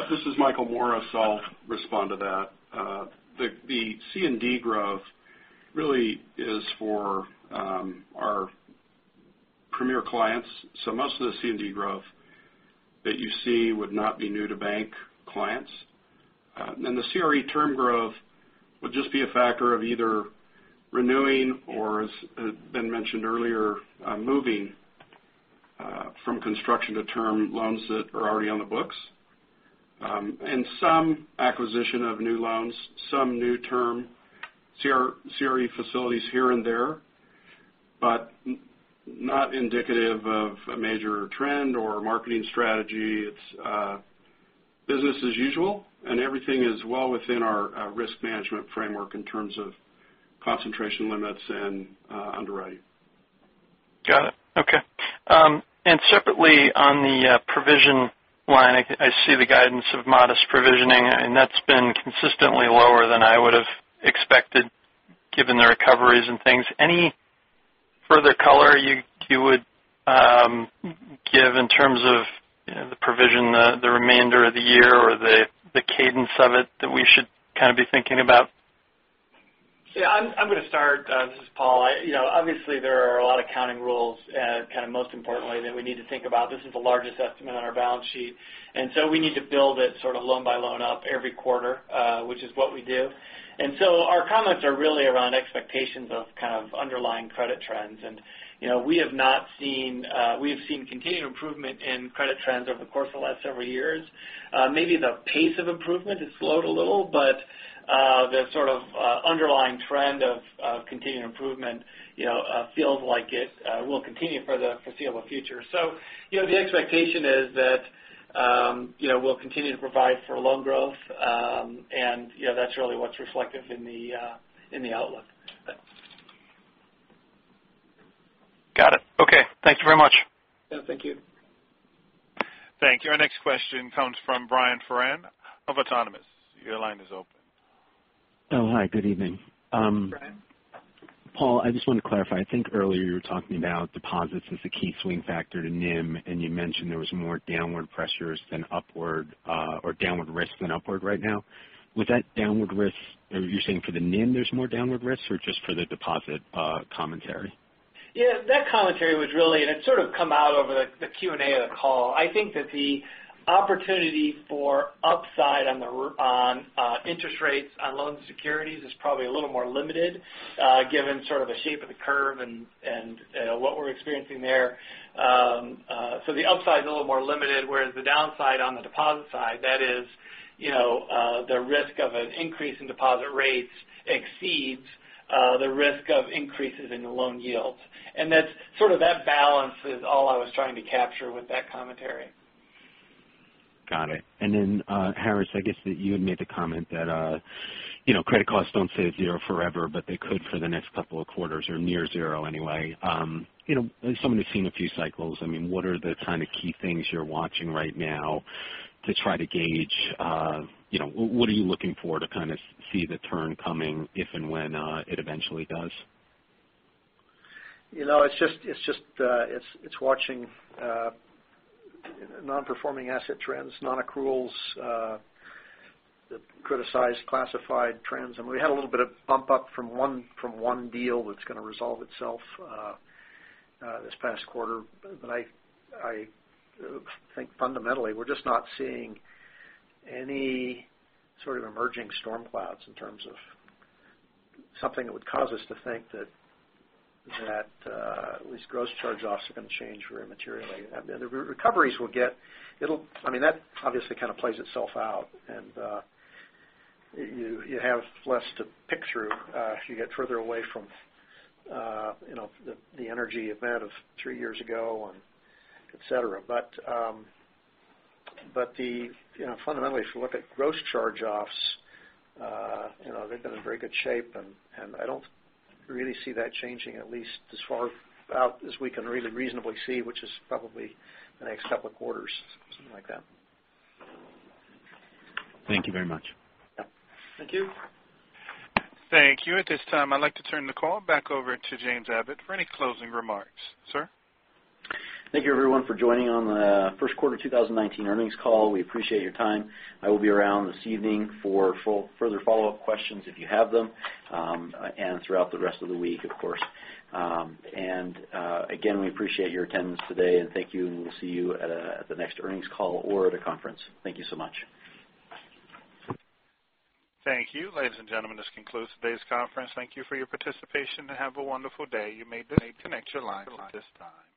This is Michael Morris. I'll respond to that. The C and D growth really is for our premier clients. Most of the C and D growth that you see would not be new-to-bank clients. The CRE term growth would just be a factor of either renewing or, as been mentioned earlier, moving from construction to term loans that are already on the books. Some acquisition of new loans, some new term CRE facilities here and there, not indicative of a major trend or a marketing strategy. It's business as usual, and everything is well within our risk management framework in terms of concentration limits and underwriting. Got it. Okay. Separately, on the provision line, I see the guidance of modest provisioning, that's been consistently lower than I would've expected, given the recoveries and things. Any further color you would give in terms of the provision, the remainder of the year or the cadence of it that we should be thinking about? Yeah, I'm going to start. This is Paul. Obviously, there are a lot of accounting rules, most importantly, that we need to think about. This is the largest estimate on our balance sheet, we need to build it loan by loan up every quarter, which is what we do. Our comments are really around expectations of underlying credit trends. We have seen continued improvement in credit trends over the course of the last several years. Maybe the pace of improvement has slowed a little, but the sort of underlying trend of continued improvement feels like it will continue for the foreseeable future. The expectation is that we'll continue to provide for loan growth, that's really what's reflective in the outlook. Got it. Okay. Thank you very much. Yeah, thank you. Thank you. Our next question comes from Brian Foran of Autonomous. Your line is open. Oh, hi. Good evening. Brian. Paul, I just wanted to clarify. I think earlier you were talking about deposits as the key swing factor to NIM, you mentioned there was more downward risk than upward right now. Was that downward risk, are you saying for the NIM there is more downward risk or just for the deposit commentary? Yeah, that commentary was really, it is sort of come out over the Q&A of the call. I think that the opportunity for upside on interest rates on loans and securities is probably a little more limited, given the shape of the curve and what we are experiencing there. The upside is a little more limited, whereas the downside on the deposit side, that is, the risk of an increase in deposit rates exceeds the risk of increases in the loan yields. That balance is all I was trying to capture with that commentary. Got it. Harris, I guess that you had made the comment that credit costs don't stay at zero forever, but they could for the next couple of quarters or near zero anyway. As someone who's seen a few cycles, what are the kind of key things you're watching right now to try to gauge, what are you looking for to kind of see the turn coming if and when it eventually does? It's watching non-performing asset trends, non-accruals, the criticized classified trends. We had a little bit of bump up from one deal that's going to resolve itself this past quarter. I think fundamentally, we're just not seeing any sort of emerging storm clouds in terms of something that would cause us to think that at least gross charge-offs are going to change very materially. The recoveries that obviously kind of plays itself out, and you have less to pick through as you get further away from the energy event of three years ago and et cetera. Fundamentally, if you look at gross charge-offs, they've been in very good shape, and I don't really see that changing, at least as far out as we can really reasonably see, which is probably the next couple of quarters, something like that. Thank you very much. Yeah. Thank you. Thank you. At this time, I'd like to turn the call back over to James Abbott for any closing remarks. Sir? Thank you everyone for joining on the first quarter 2019 earnings call. We appreciate your time. I will be around this evening for further follow-up questions if you have them, and throughout the rest of the week, of course. Again, we appreciate your attendance today, and thank you, and we'll see you at the next earnings call or at a conference. Thank you so much. Thank you. Ladies and gentlemen, this concludes today's conference. Thank you for your participation, and have a wonderful day. You may disconnect your lines at this time.